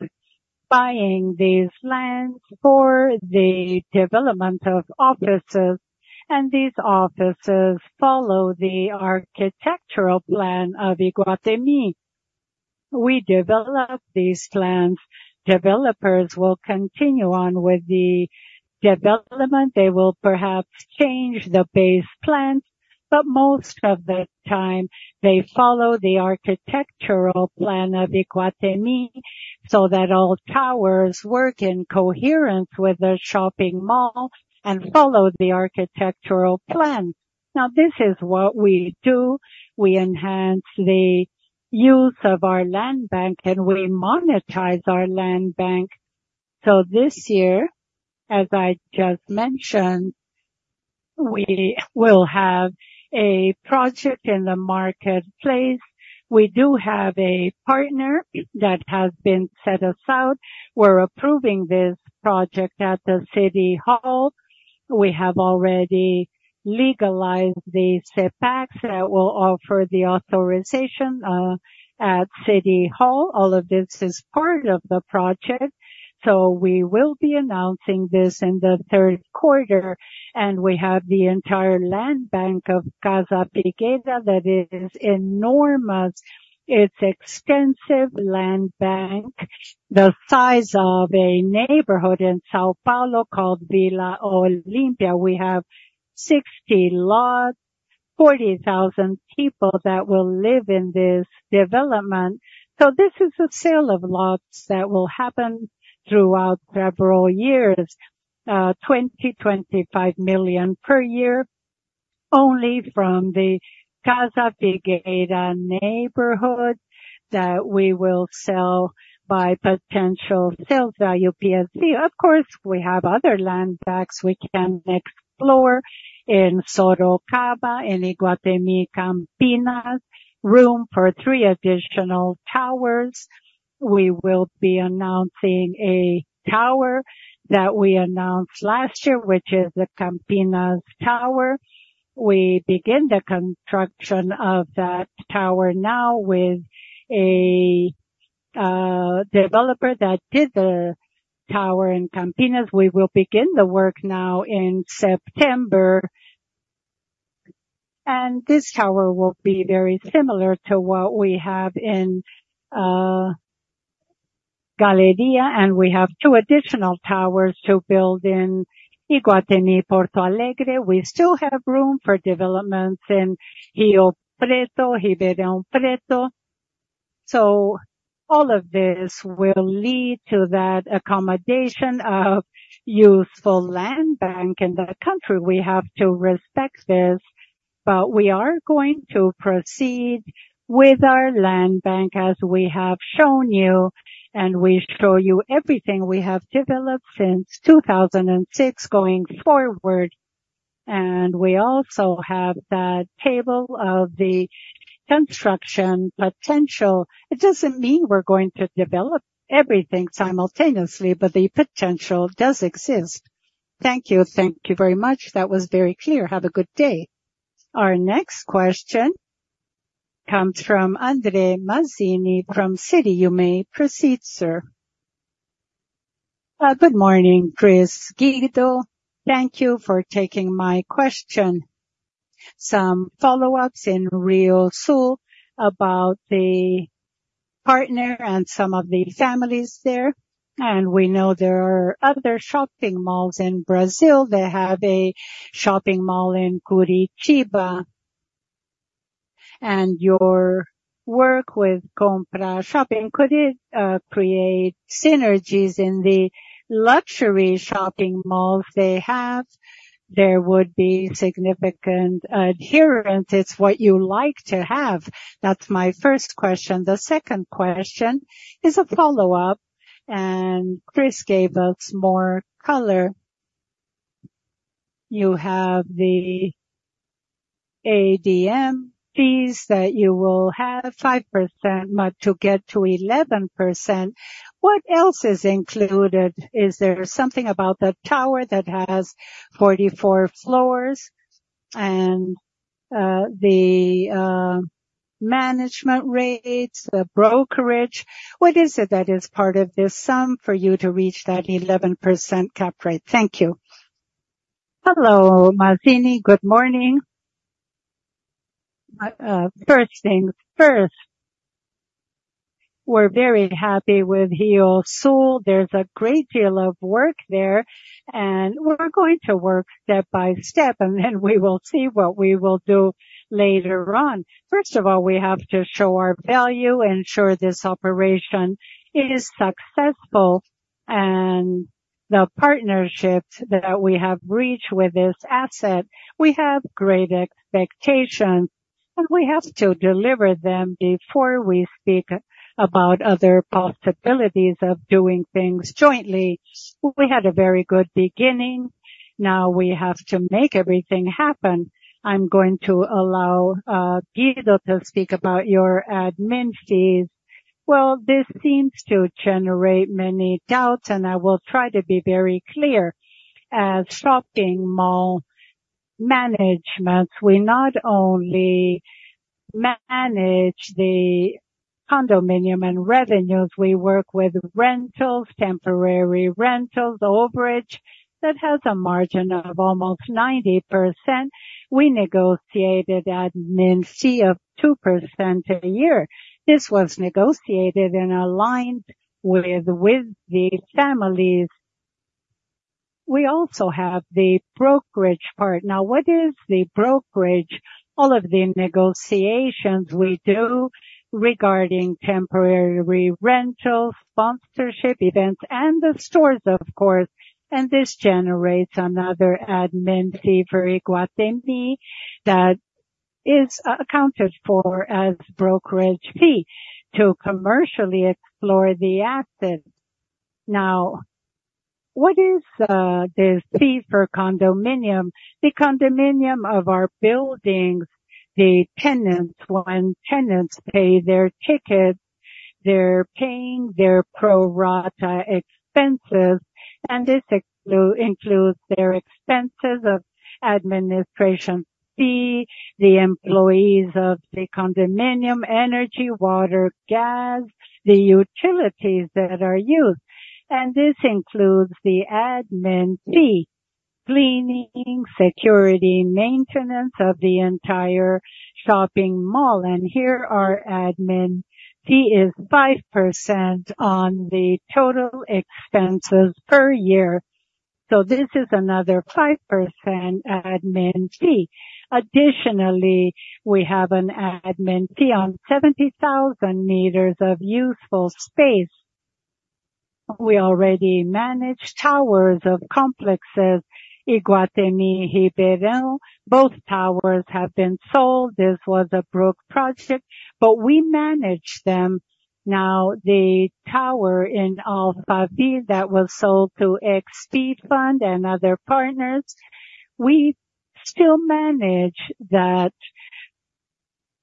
[SPEAKER 1] buying these lands for the development of offices, and these offices follow the architectural plan of Iguatemi. We develop these plans. Developers will continue on with the development. They will perhaps change the base plans, but most of the time they follow the architectural plan of Iguatemi, so that all towers work in coherence with the shopping mall and follow the architectural plan. Now, this is what we do. We enhance the use of our land bank, and we monetize our land bank. So this year, as I just mentioned, we will have a project in the Market Place. We do have a partner that has been set us out. We're approving this project at the city hall. We have already legalized the setbacks that will offer the authorization, at city hall. All of this is part of the project, so we will be announcing this in the third quarter. We have the entire land bank of Casa Figueira. That is enormous. It's extensive land bank, the size of a neighborhood in São Paulo called Vila Olímpia. We have 60 lots, 40,000 people that will live in this development. This is a sale of lots that will happen throughout several years, 20 million-25 million per year, only from the Casa Figueira neighborhood that we will sell by potential sales value PSV. Of course, we have other land banks we can explore in Sorocaba, in Iguatemi Campinas, room for three additional towers. We will be announcing a tower that we announced last year, which is the Campinas Tower. We begin the construction of that tower now with a developer that did the tower in Campinas. We will begin the work now in September, and this tower will be very similar to what we have in Galleria, and we have two additional towers to build in Iguatemi Porto Alegre. We still have room for developments in Rio Preto, Ribeirão Preto. So all of this will lead to that accommodation of useful land bank in the country. We have to respect this, but we are going to proceed with our land bank, as we have shown you, and we show you everything we have developed since 2006 going forward. And we also have that table of the construction potential. It doesn't mean we're going to develop everything simultaneously, but the potential does exist. Thank you. Thank you very much. That was very clear. Have a good day. Our next question comes from André Mazini, from Citi. You may proceed, sir. Good morning, Cristina, Guido. Thank you for taking my question. Some follow-ups in RioSul about the partner and some of the families there, and we know there are other shopping malls in Brazil. They have a shopping mall in Curitiba. Your work with Combrasma, could it create synergies in the luxury shopping malls they have? There would be significant adherence. It's what you like to have. That's my first question. The second question is a follow-up, and Cristina gave us more color. You have the ADM fees that you will have 5%, but to get to 11%, what else is included? Is there something about that tower that has 44 floors? And the management rates, the brokerage, what is it that is part of this sum for you to reach that 11% cap rate? Thank you. Hello, Mazini. Good morning. First things first, we're very happy with RioSul. There's a great deal of work there, and we're going to work step by step, and then we will see what we will do later on. First of all, we have to show our value, ensure this operation is successful. The partnerships that we have reached with this asset, we have great expectations, and we have to deliver them before we speak about other possibilities of doing things jointly. We had a very good beginning. Now we have to make everything happen. I'm going to allow Guido to speak about your admin fees. Well, this seems to generate many doubts, and I will try to be very clear. As shopping mall management, we not only manage the condominium and revenues, we work with rentals, temporary rentals, the overage that has a margin of almost 90%. We negotiated admin fee of 2% a year. This was negotiated and aligned with, with the families. We also have the brokerage part. Now, what is the brokerage? All of the negotiations we do regarding temporary rentals, sponsorship, events, and the stores, of course, and this generates another admin fee for Iguatemi, that is accounted for as brokerage fee to commercially explore the assets. Now, what is this fee for condominium? The condominium of our buildings, the tenants, when tenants pay their tickets, they're paying their pro rata expenses, and this includes their expenses of administration fee, the employees of the condominium, energy, water, gas, the utilities that are used. And this includes the admin fee, cleaning, security, maintenance of the entire shopping mall. And here, our admin fee is 5% on the total expenses per year. So this is another 5% admin fee. Additionally, we have an admin fee on 70,000 meters of useful space. We already manage towers of complexes, Iguatemi Ribeirão. Both towers have been sold. This was a Brookfield project, but we manage them now. The tower in Alphaville that was sold to XP Fund and other partners, we still manage that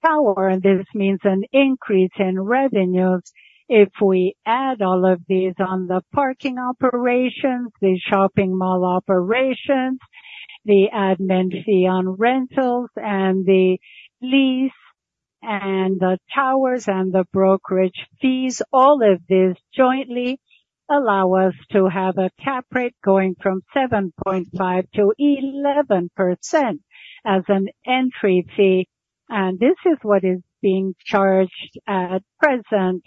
[SPEAKER 1] tower, and this means an increase in revenues. If we add all of these on the parking operations, the shopping mall operations, the admin fee on rentals and the lease, and the towers and the brokerage fees, all of this jointly allow us to have a Cap Rate going from 7.5%-11% as an entry fee. And this is what is being charged at present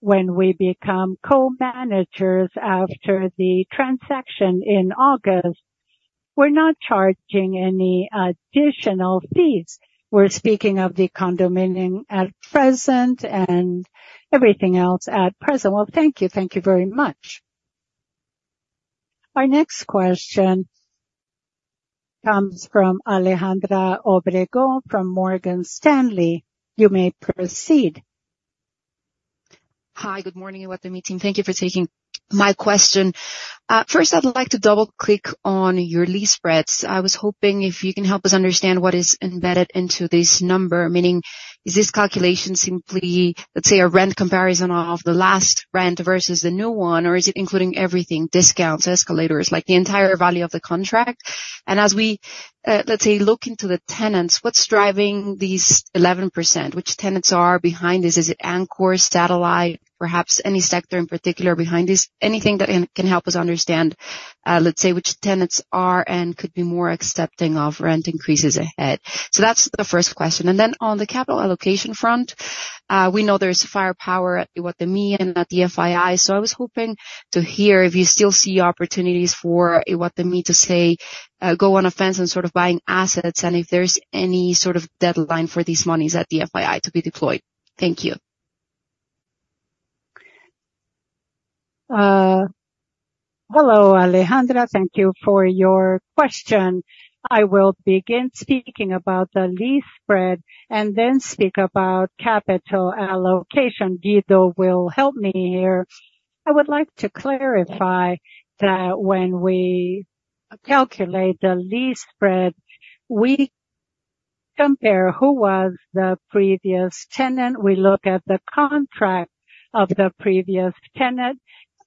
[SPEAKER 1] when we become co-managers after the transaction in August. We're not charging any additional fees. We're speaking of the condominium at present and everything else at present. Well, thank you. Thank you very much. Our next question comes from Alejandra Obregón, from Morgan Stanley. You may proceed.
[SPEAKER 2] Hi, good morning, Iguatemi team. Thank you for taking my question. First, I'd like to double-click on your lease spreads. I was hoping if you can help us understand what is embedded into this number, meaning, is this calculation simply, let's say, a rent comparison of the last rent versus the new one, or is it including everything, discounts, escalators, like, the entire value of the contract? And as we, let's say, look into the tenants, what's driving these 11%? Which tenants are behind this? Is it anchor, satellite, perhaps any sector in particular behind this? Anything that can, can help us understand, let's say, which tenants are and could be more accepting of rent increases ahead. So that's the first question. And then on the capital allocation front, we know there's firepower at Iguatemi and at the FII. So I was hoping to hear if you still see opportunities for Iguatemi to say, go on offense and sort of buying assets, and if there's any sort of deadline for these monies at the FII to be deployed. Thank you.
[SPEAKER 1] Hello, Alejandra. Thank you for your question. I will begin speaking about the lease spread and then speak about capital allocation. Guido will help me here. I would like to clarify that when we calculate the lease spread, we compare who was the previous tenant. We look at the contract of the previous tenant,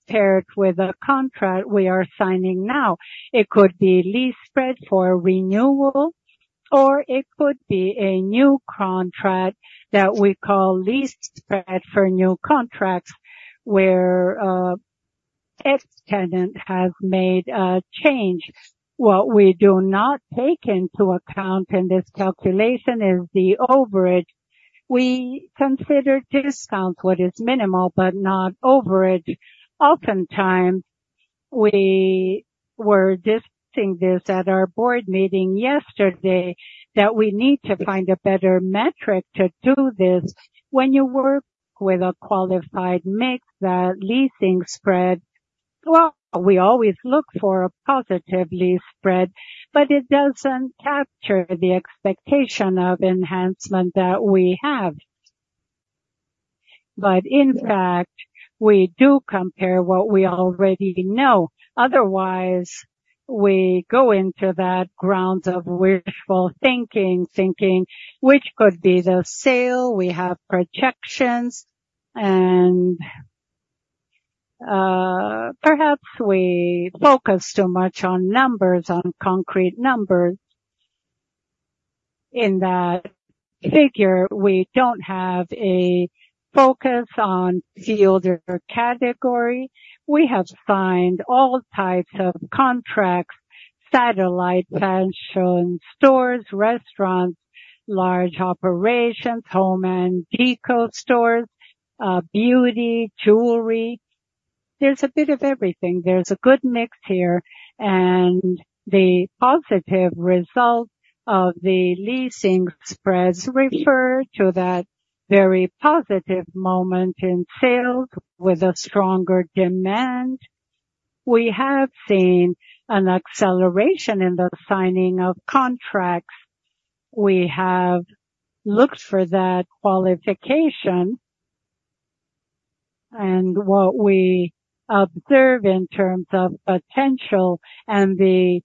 [SPEAKER 1] paired with the contract we are signing now. It could be lease spread for renewal, or it could be a new contract that we call lease spread for new contracts, where, ex-tenant has made a change. What we do not take into account in this calculation is the overage. We consider discount what is minimal, but not overage. Oftentimes, we were discussing this at our board meeting yesterday, that we need to find a better metric to do this. When you work with a qualified mix, the leasing spread, well, we always look for a positive lease spread, but it doesn't capture the expectation of enhancement that we have. But in fact, we do compare what we already know. Otherwise, we go into that grounds of wishful thinking, thinking which could be the sale. We have projections and, perhaps we focus too much on numbers, on concrete numbers. In that figure, we don't have a focus on field or category. We have signed all types of contracts, satellite, fashion, stores, restaurants, large operations, home and decor stores, beauty, jewelry. There's a bit of everything. There's a good mix here, and the positive result of the leasing spreads refer to that very positive moment in sales with a stronger demand. We have seen an acceleration in the signing of contracts. We have looked for that qualification and what we observe in terms of potential, and the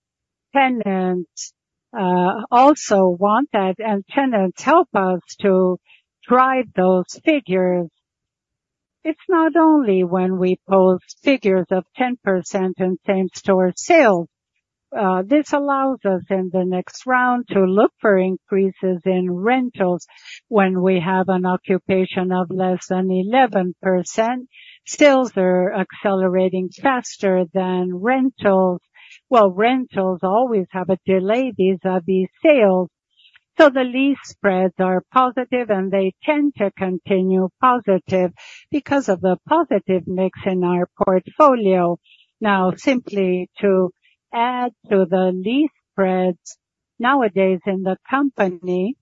[SPEAKER 1] tenants also want that, and tenants help us to drive those figures. It's not only when we post figures of 10% in same-store sales. This allows us in the next round to look for increases in rentals when we have an occupation of less than 11%. Sales are accelerating faster than rentals. Well, rentals always have a delay. These are the sales. So the lease spreads are positive, and they tend to continue positive because of the positive mix in our portfolio. Now, simply to add to the lease spreads, nowadays in the company,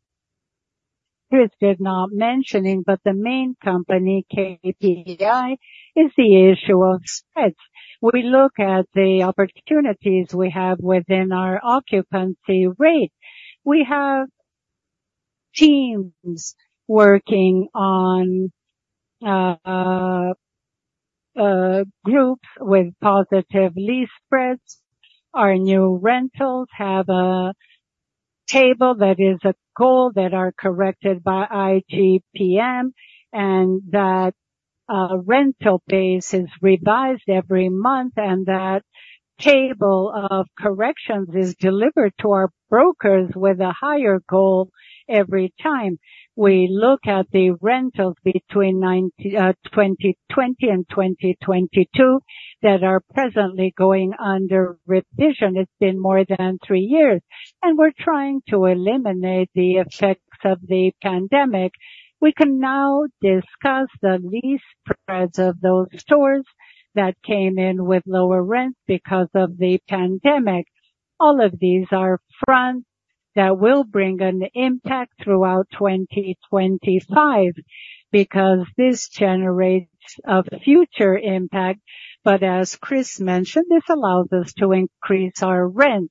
[SPEAKER 1] Cris did not mention in, but the main company, KPI, is the issue of spreads. We look at the opportunities we have within our occupancy rate. We have teams working on groups with positive lease spreads. Our new rentals have a table that is a goal that are corrected by IGP-M, and that rental base is revised every month, and that table of corrections is delivered to our brokers with a higher goal every time. We look at the rentals between 2020 and 2022, that are presently going under revision. It's been more than three years, and we're trying to eliminate the effects of the pandemic. We can now discuss the lease spreads of those stores that came in with lower rent because of the pandemic. All of these are fronts that will bring an impact throughout 2025, because this generates a future impact. But as Cris mentioned, this allows us to increase our rent.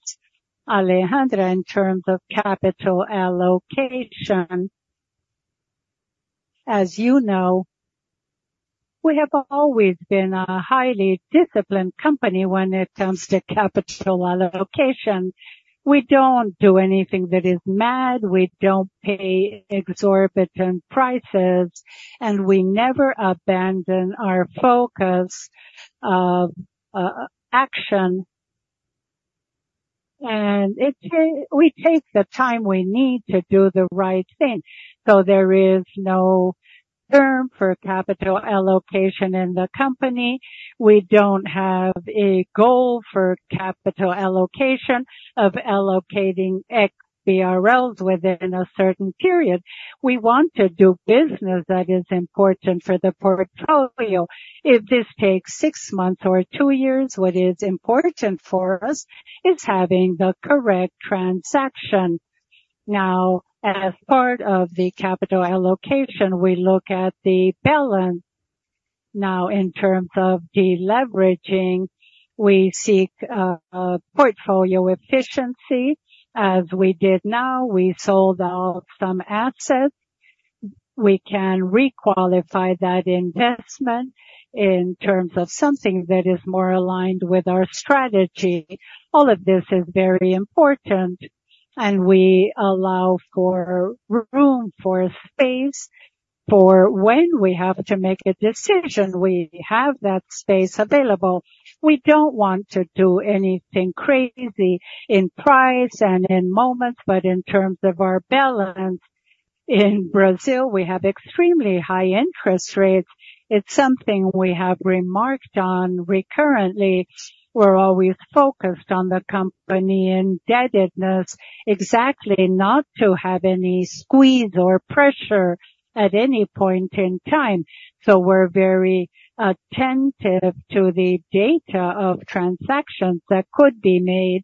[SPEAKER 1] Alejandra, in terms of capital allocation, as you know, we have always been a highly disciplined company when it comes to capital allocation. We don't do anything that is mad, we don't pay exorbitant prices, and we never abandon our focus of action, and we take the time we need to do the right thing. So there is no term for capital allocation in the company. We don't have a goal for capital allocation of allocating X BRLs within a certain period. We want to do business that is important for the portfolio. If this takes six months or two years, what is important for us is having the correct transaction. Now, as part of the capital allocation, we look at the balance. Now, in terms of deleveraging, we seek portfolio efficiency. As we did now, we sold out some assets. We can re-qualify that investment in terms of something that is more aligned with our strategy. All of this is very important, and we allow for room, for space, for when we have to make a decision, we have that space available. We don't want to do anything crazy in price and in moment, but in terms of our balance, in Brazil, we have extremely high interest rates. It's something we have remarked on recurrently. We're always focused on the company indebtedness, exactly not to have any squeeze or pressure at any point in time. So we're very attentive to the data of transactions that could be made,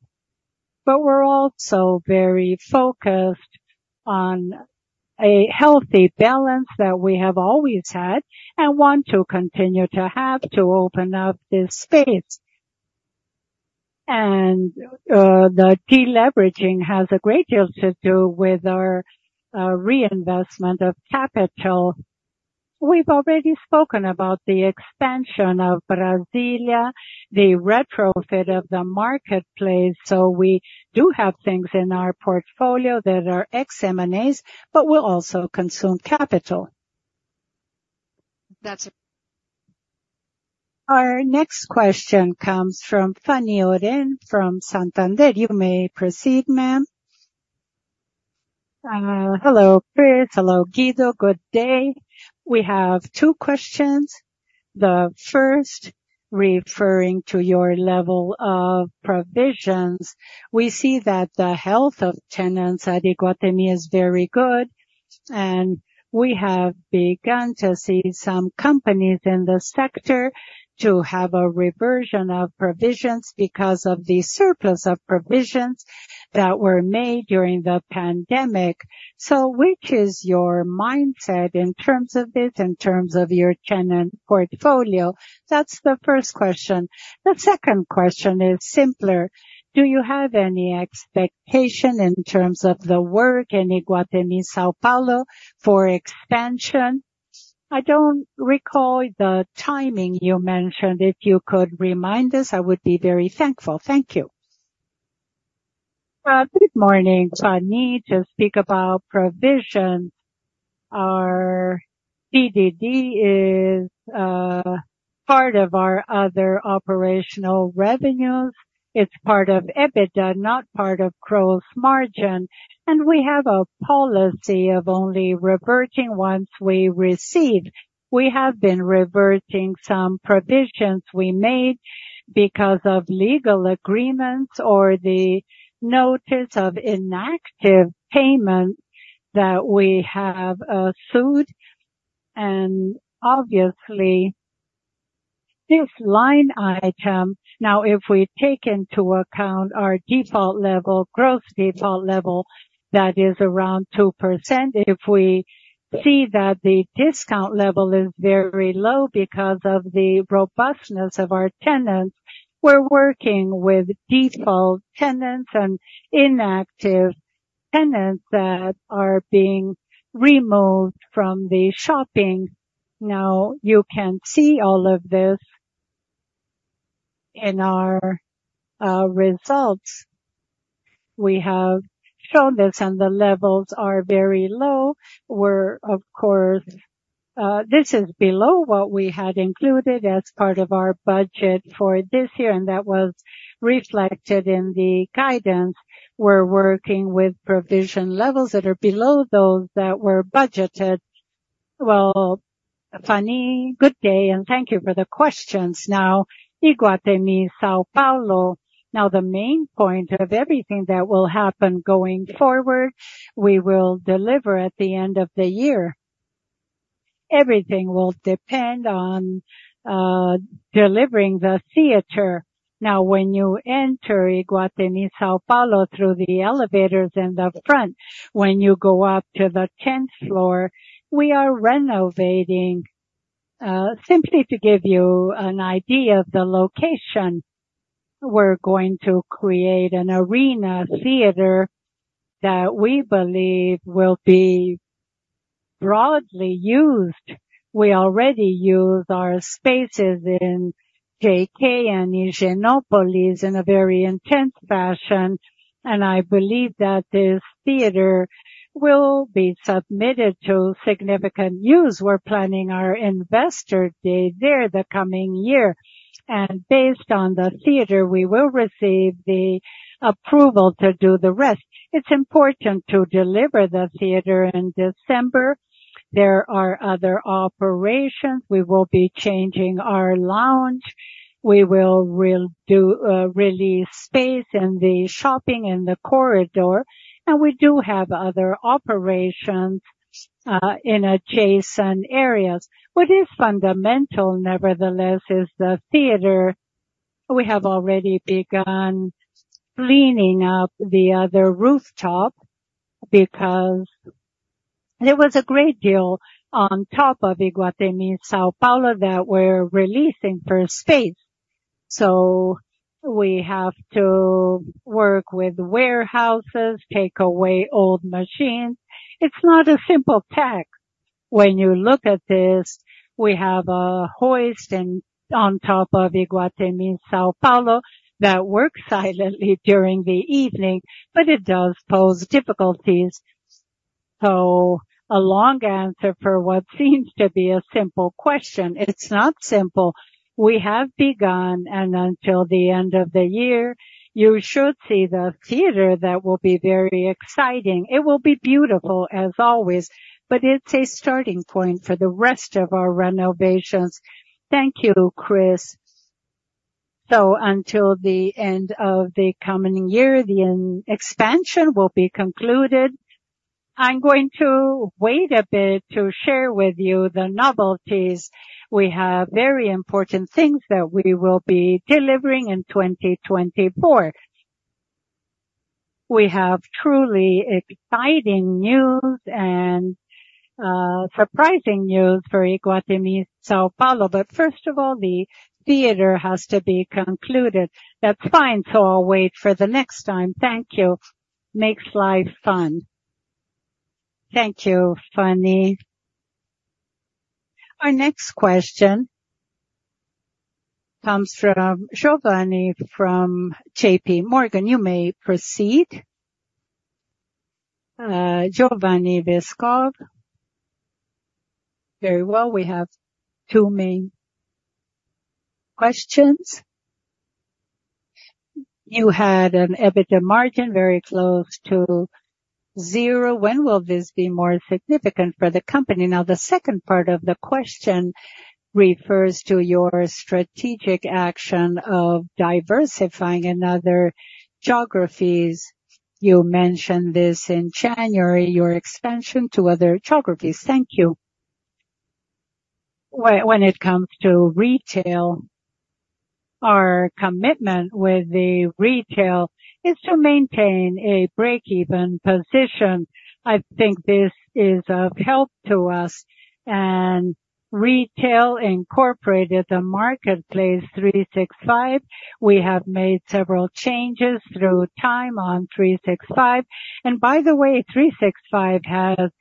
[SPEAKER 1] but we're also very focused on a healthy balance that we have always had and want to continue to have to open up this space. And, the deleveraging has a great deal to do with our, reinvestment of capital. We've already spoken about the expansion of Brasília, the retrofit of the Market Place, so we do have things in our portfolio that are ex-M&As, but will also consume capital.
[SPEAKER 2] That's a-
[SPEAKER 1] Our next question comes from Fanny Oreng from Santander. You may proceed, ma'am. Hello, Cris. Hello, Guido. Good day. We have two questions. The first, referring to your level of provisions. We see that the health of tenants at Iguatemi is very good, and we have begun to see some companies in the sector to have a reversion of provisions because of the surplus of provisions that were made during the pandemic. So which is your mindset in terms of this, in terms of your tenant portfolio? That's the first question. The second question is simpler: Do you have any expectation in terms of the work in Iguatemi São Paulo for expansion? I don't recall the timing you mentioned. If you could remind us, I would be very thankful. Thank you. Good morning, Fanny. To speak about provisions, our PDD is part of our other operational revenues. It's part of EBITDA, not part of gross margin, and we have a policy of only reverting once we receive. We have been reverting some provisions we made because of legal agreements or the notice of inactive payments that we have sued. And obviously, this line item. Now, if we take into account our default level, gross default level, that is around 2%. If we see that the discount level is very low because of the robustness of our tenants, we're working with default tenants and inactive tenants that are being removed from the shopping. Now, you can see all of this in our results. We have shown this, and the levels are very low, where, of course, this is below what we had included as part of our budget for this year, and that was reflected in the guidance. We're working with provision levels that are below those that were budgeted. Well, Fanny, good day, and thank you for the questions. Now, Iguatemi São Paulo. Now, the main point of everything that will happen going forward, we will deliver at the end of the year. Everything will depend on delivering the theater. Now, when you enter Iguatemi São Paulo through the elevators in the front, when you go up to the tenth floor, we are renovating. Simply to give you an idea of the location, we're going to create an arena theater that we believe will be broadly used. We already use our spaces in JK and Higienópolis in a very intense fashion, and I believe that this theater will be submitted to significant use. We're planning our Investor Day there the coming year, and based on the theater, we will receive the approval to do the rest. It's important to deliver the theater in December. There are other operations. We will be changing our lounge. We will re-do release space in the shopping and the corridor, and we do have other operations in adjacent areas. What is fundamental, nevertheless, is the theater. We have already begun cleaning up the other rooftop because there was a great deal on top of Iguatemi São Paulo that we're releasing for space... So we have to work with warehouses, take away old machines. It's not a simple task. When you look at this, we have a hoist and on top of Iguatemi São Paulo that works silently during the evening, but it does pose difficulties. So a long answer for what seems to be a simple question. It's not simple. We have begun, and until the end of the year, you should see the theater. That will be very exciting. It will be beautiful, as always, but it's a starting point for the rest of our renovations. Thank you, Cris. So until the end of the coming year, the expansion will be concluded. I'm going to wait a bit to share with you the novelties. We have very important things that we will be delivering in 2024. We have truly exciting news and, surprising news for Iguatemi São Paulo. But first of all, the theater has to be concluded. That's fine, so I'll wait for the next time. Thank you. Makes life fun. Thank you, Fanny. Our next question comes from Giovanni, from JPMorgan. You may proceed. Giovanni Vescovi. Very well. We have two main questions. You had an EBITDA margin very close to zero. When will this be more significant for the company? Now, the second part of the question refers to your strategic action of diversifying in other geographies. You mentioned this in January, your expansion to other geographies. Thank you. When it comes to retail, our commitment with the retail is to maintain a break-even position. I think this is of help to us and retail incorporated the Iguatemi 365. We have made several changes through time on Iguatemi 365, and by the way, Iguatemi 365 has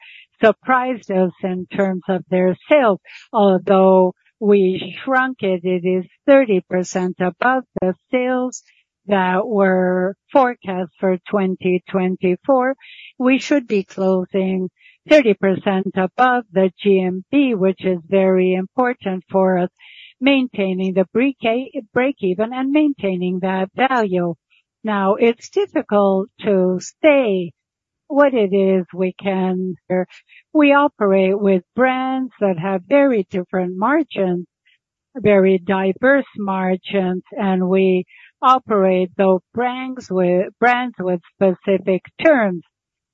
[SPEAKER 1] surprised us in terms of their sales. Although we shrunk it, it is 30% above the sales that were forecast for 2024. We should be closing 30% above the IGP-M, which is very important for us, maintaining the break-even and maintaining that value. Now, it's difficult to say what it is we can... We operate with brands that have very different margins, very diverse margins, and we operate those brands with, brands with specific terms,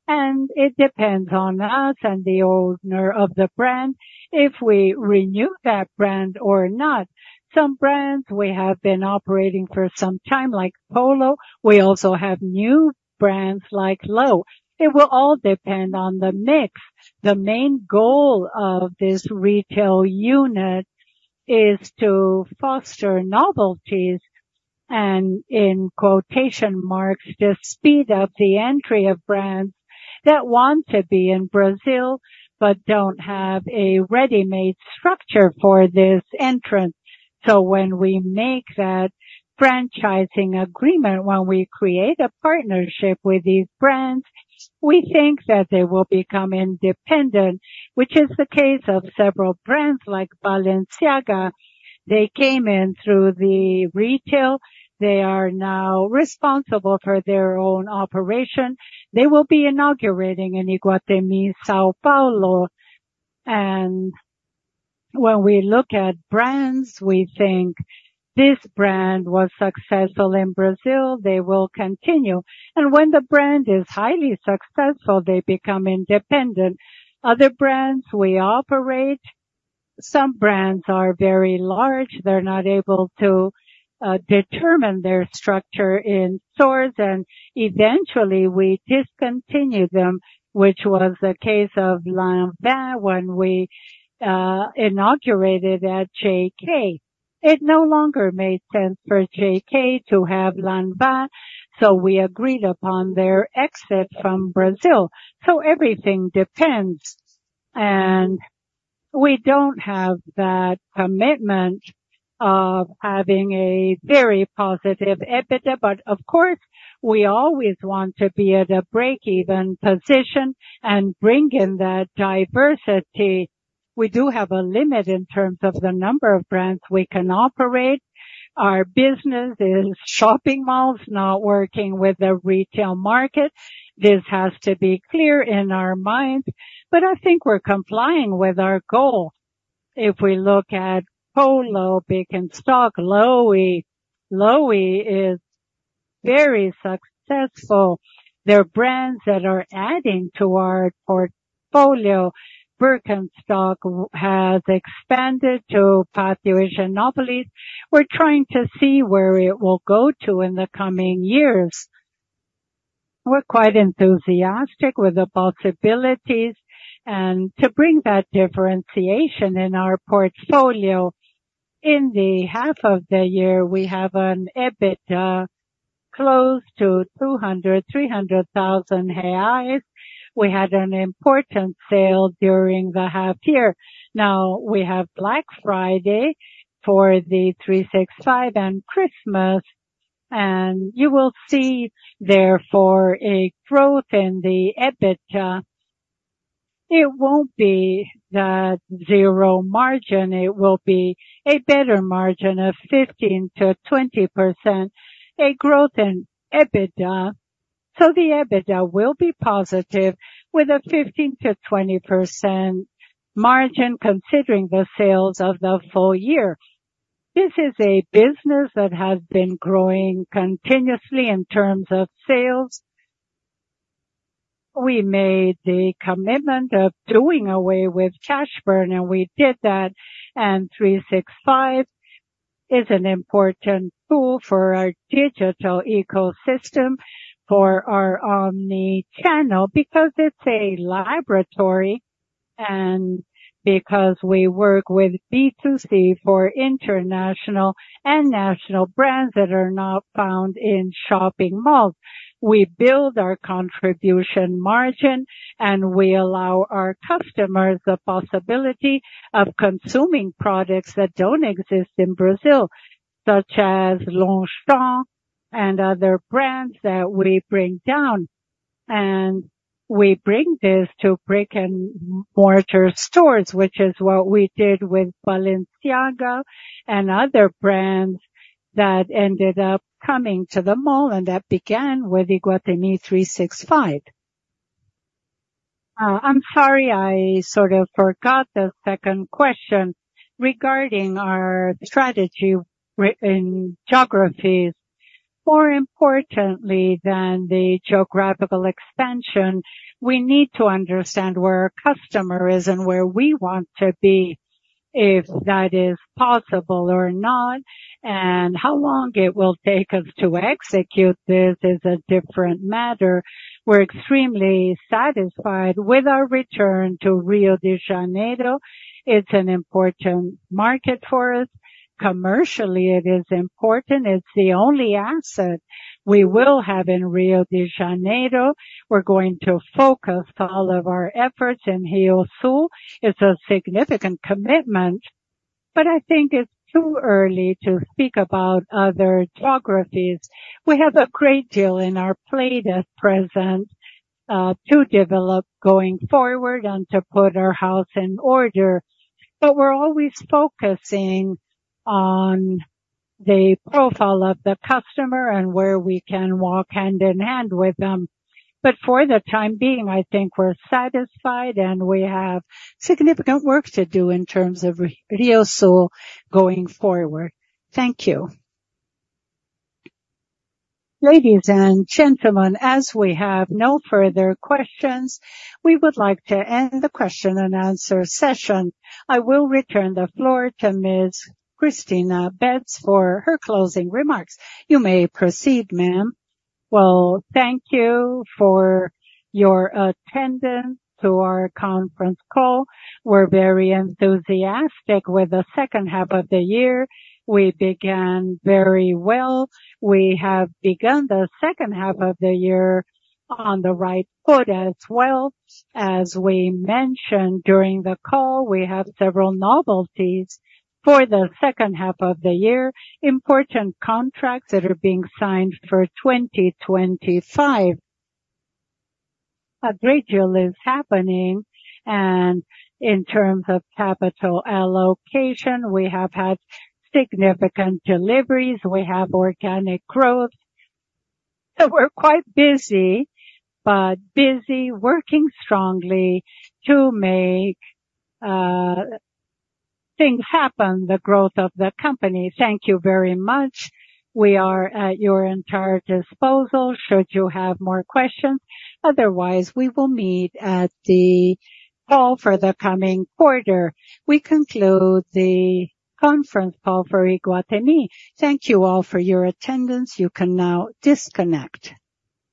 [SPEAKER 1] and it depends on us and the owner of the brand, if we renew that brand or not. Some brands we have been operating for some time, like Polo. We also have new brands like Loewe. It will all depend on the mix. The main goal of this retail unit is to foster novelties and in quotation marks, "to speed up the entry of brands that want to be in Brazil, but don't have a ready-made structure for this entrance." So when we make that franchising agreement, when we create a partnership with these brands, we think that they will become independent, which is the case of several brands like Balenciaga. They came in through the retail. They are now responsible for their own operation. They will be inaugurating in Iguatemi São Paulo. When we look at brands, we think this brand was successful in Brazil, they will continue. When the brand is highly successful, they become independent. Other brands we operate, some brands are very large. They're not able to determine their structure in stores, and eventually we discontinue them, which was the case of Lanvin when we inaugurated at JK. It no longer made sense for JK to have Lanvin, so we agreed upon their exit from Brazil. So everything depends, and we don't have that commitment of having a very positive EBITDA. But of course, we always want to be at a break-even position and bring in that diversity. We do have a limit in terms of the number of brands we can operate. Our business is shopping malls, not working with the retail market. This has to be clear in our minds, but I think we're complying with our goal. If we look at Polo, Birkenstock, Loewe, Loewe is very successful. They're brands that are adding to our portfolio. Birkenstock has expanded to Pátio Higienópolis. We're trying to see where it will go to in the coming years... We're quite enthusiastic with the possibilities, and to bring that differentiation in our portfolio, in the half of the year, we have an EBITDA close to 200,000-300,000 reais. We had an important sale during the half year. Now we have Black Friday for the 365 and Christmas, and you will see therefore a growth in the EBITDA. It won't be the zero margin, it will be a better margin of 15%-20%, a growth in EBITDA. So the EBITDA will be positive with a 15%-20% margin, considering the sales of the full year. This is a business that has been growing continuously in terms of sales. We made the commitment of doing away with cash burn, and we did that, and 365 is an important tool for our digital ecosystem, for our omni-channel, because it's a laboratory and because we work with B2C for international and national brands that are not found in shopping malls. We build our contribution margin, and we allow our customers the possibility of consuming products that don't exist in Brazil, such as L'Occitane and other brands that we bring down. And we bring this to brick and mortar stores, which is what we did with Balenciaga and other brands that ended up coming to the mall, and that began with Iguatemi 365. I'm sorry, I sort of forgot the second question regarding our strategy in geographies. More importantly than the geographical expansion, we need to understand where our customer is and where we want to be, if that is possible or not, and how long it will take us to execute this is a different matter. We're extremely satisfied with our return to Rio de Janeiro. It's an important market for us. Commercially, it is important. It's the only asset we will have in Rio de Janeiro. We're going to focus all of our efforts in RioSul. It's a significant commitment, but I think it's too early to speak about other geographies. We have a great deal on our plate at present, to develop going forward and to put our house in order. But we're always focusing on the profile of the customer and where we can walk hand in hand with them. For the time being, I think we're satisfied, and we have significant work to do in terms of RioSul going forward. Thank you. Ladies, and gentlemen, as we have no further questions, we would like to end the question-and-answer session. I will return the floor to Ms. Cristina Betts for her closing remarks. You may proceed, ma'am. Well, thank you for your attendance to our conference call. We're very enthusiastic with the second half of the year. We began very well. We have begun the second half of the year on the right foot as well. As we mentioned during the call, we have several novelties for the second half of the year, important contracts that are being signed for 2025. A great deal is happening, and in terms of capital allocation, we have had significant deliveries, we have organic growth. So we're quite busy, but busy working strongly to make things happen, the growth of the company. Thank you very much. We are at your entire disposal should you have more questions. Otherwise, we will meet at the call for the coming quarter. We conclude the conference call for Iguatemi. Thank you all for your attendance. You can now disconnect.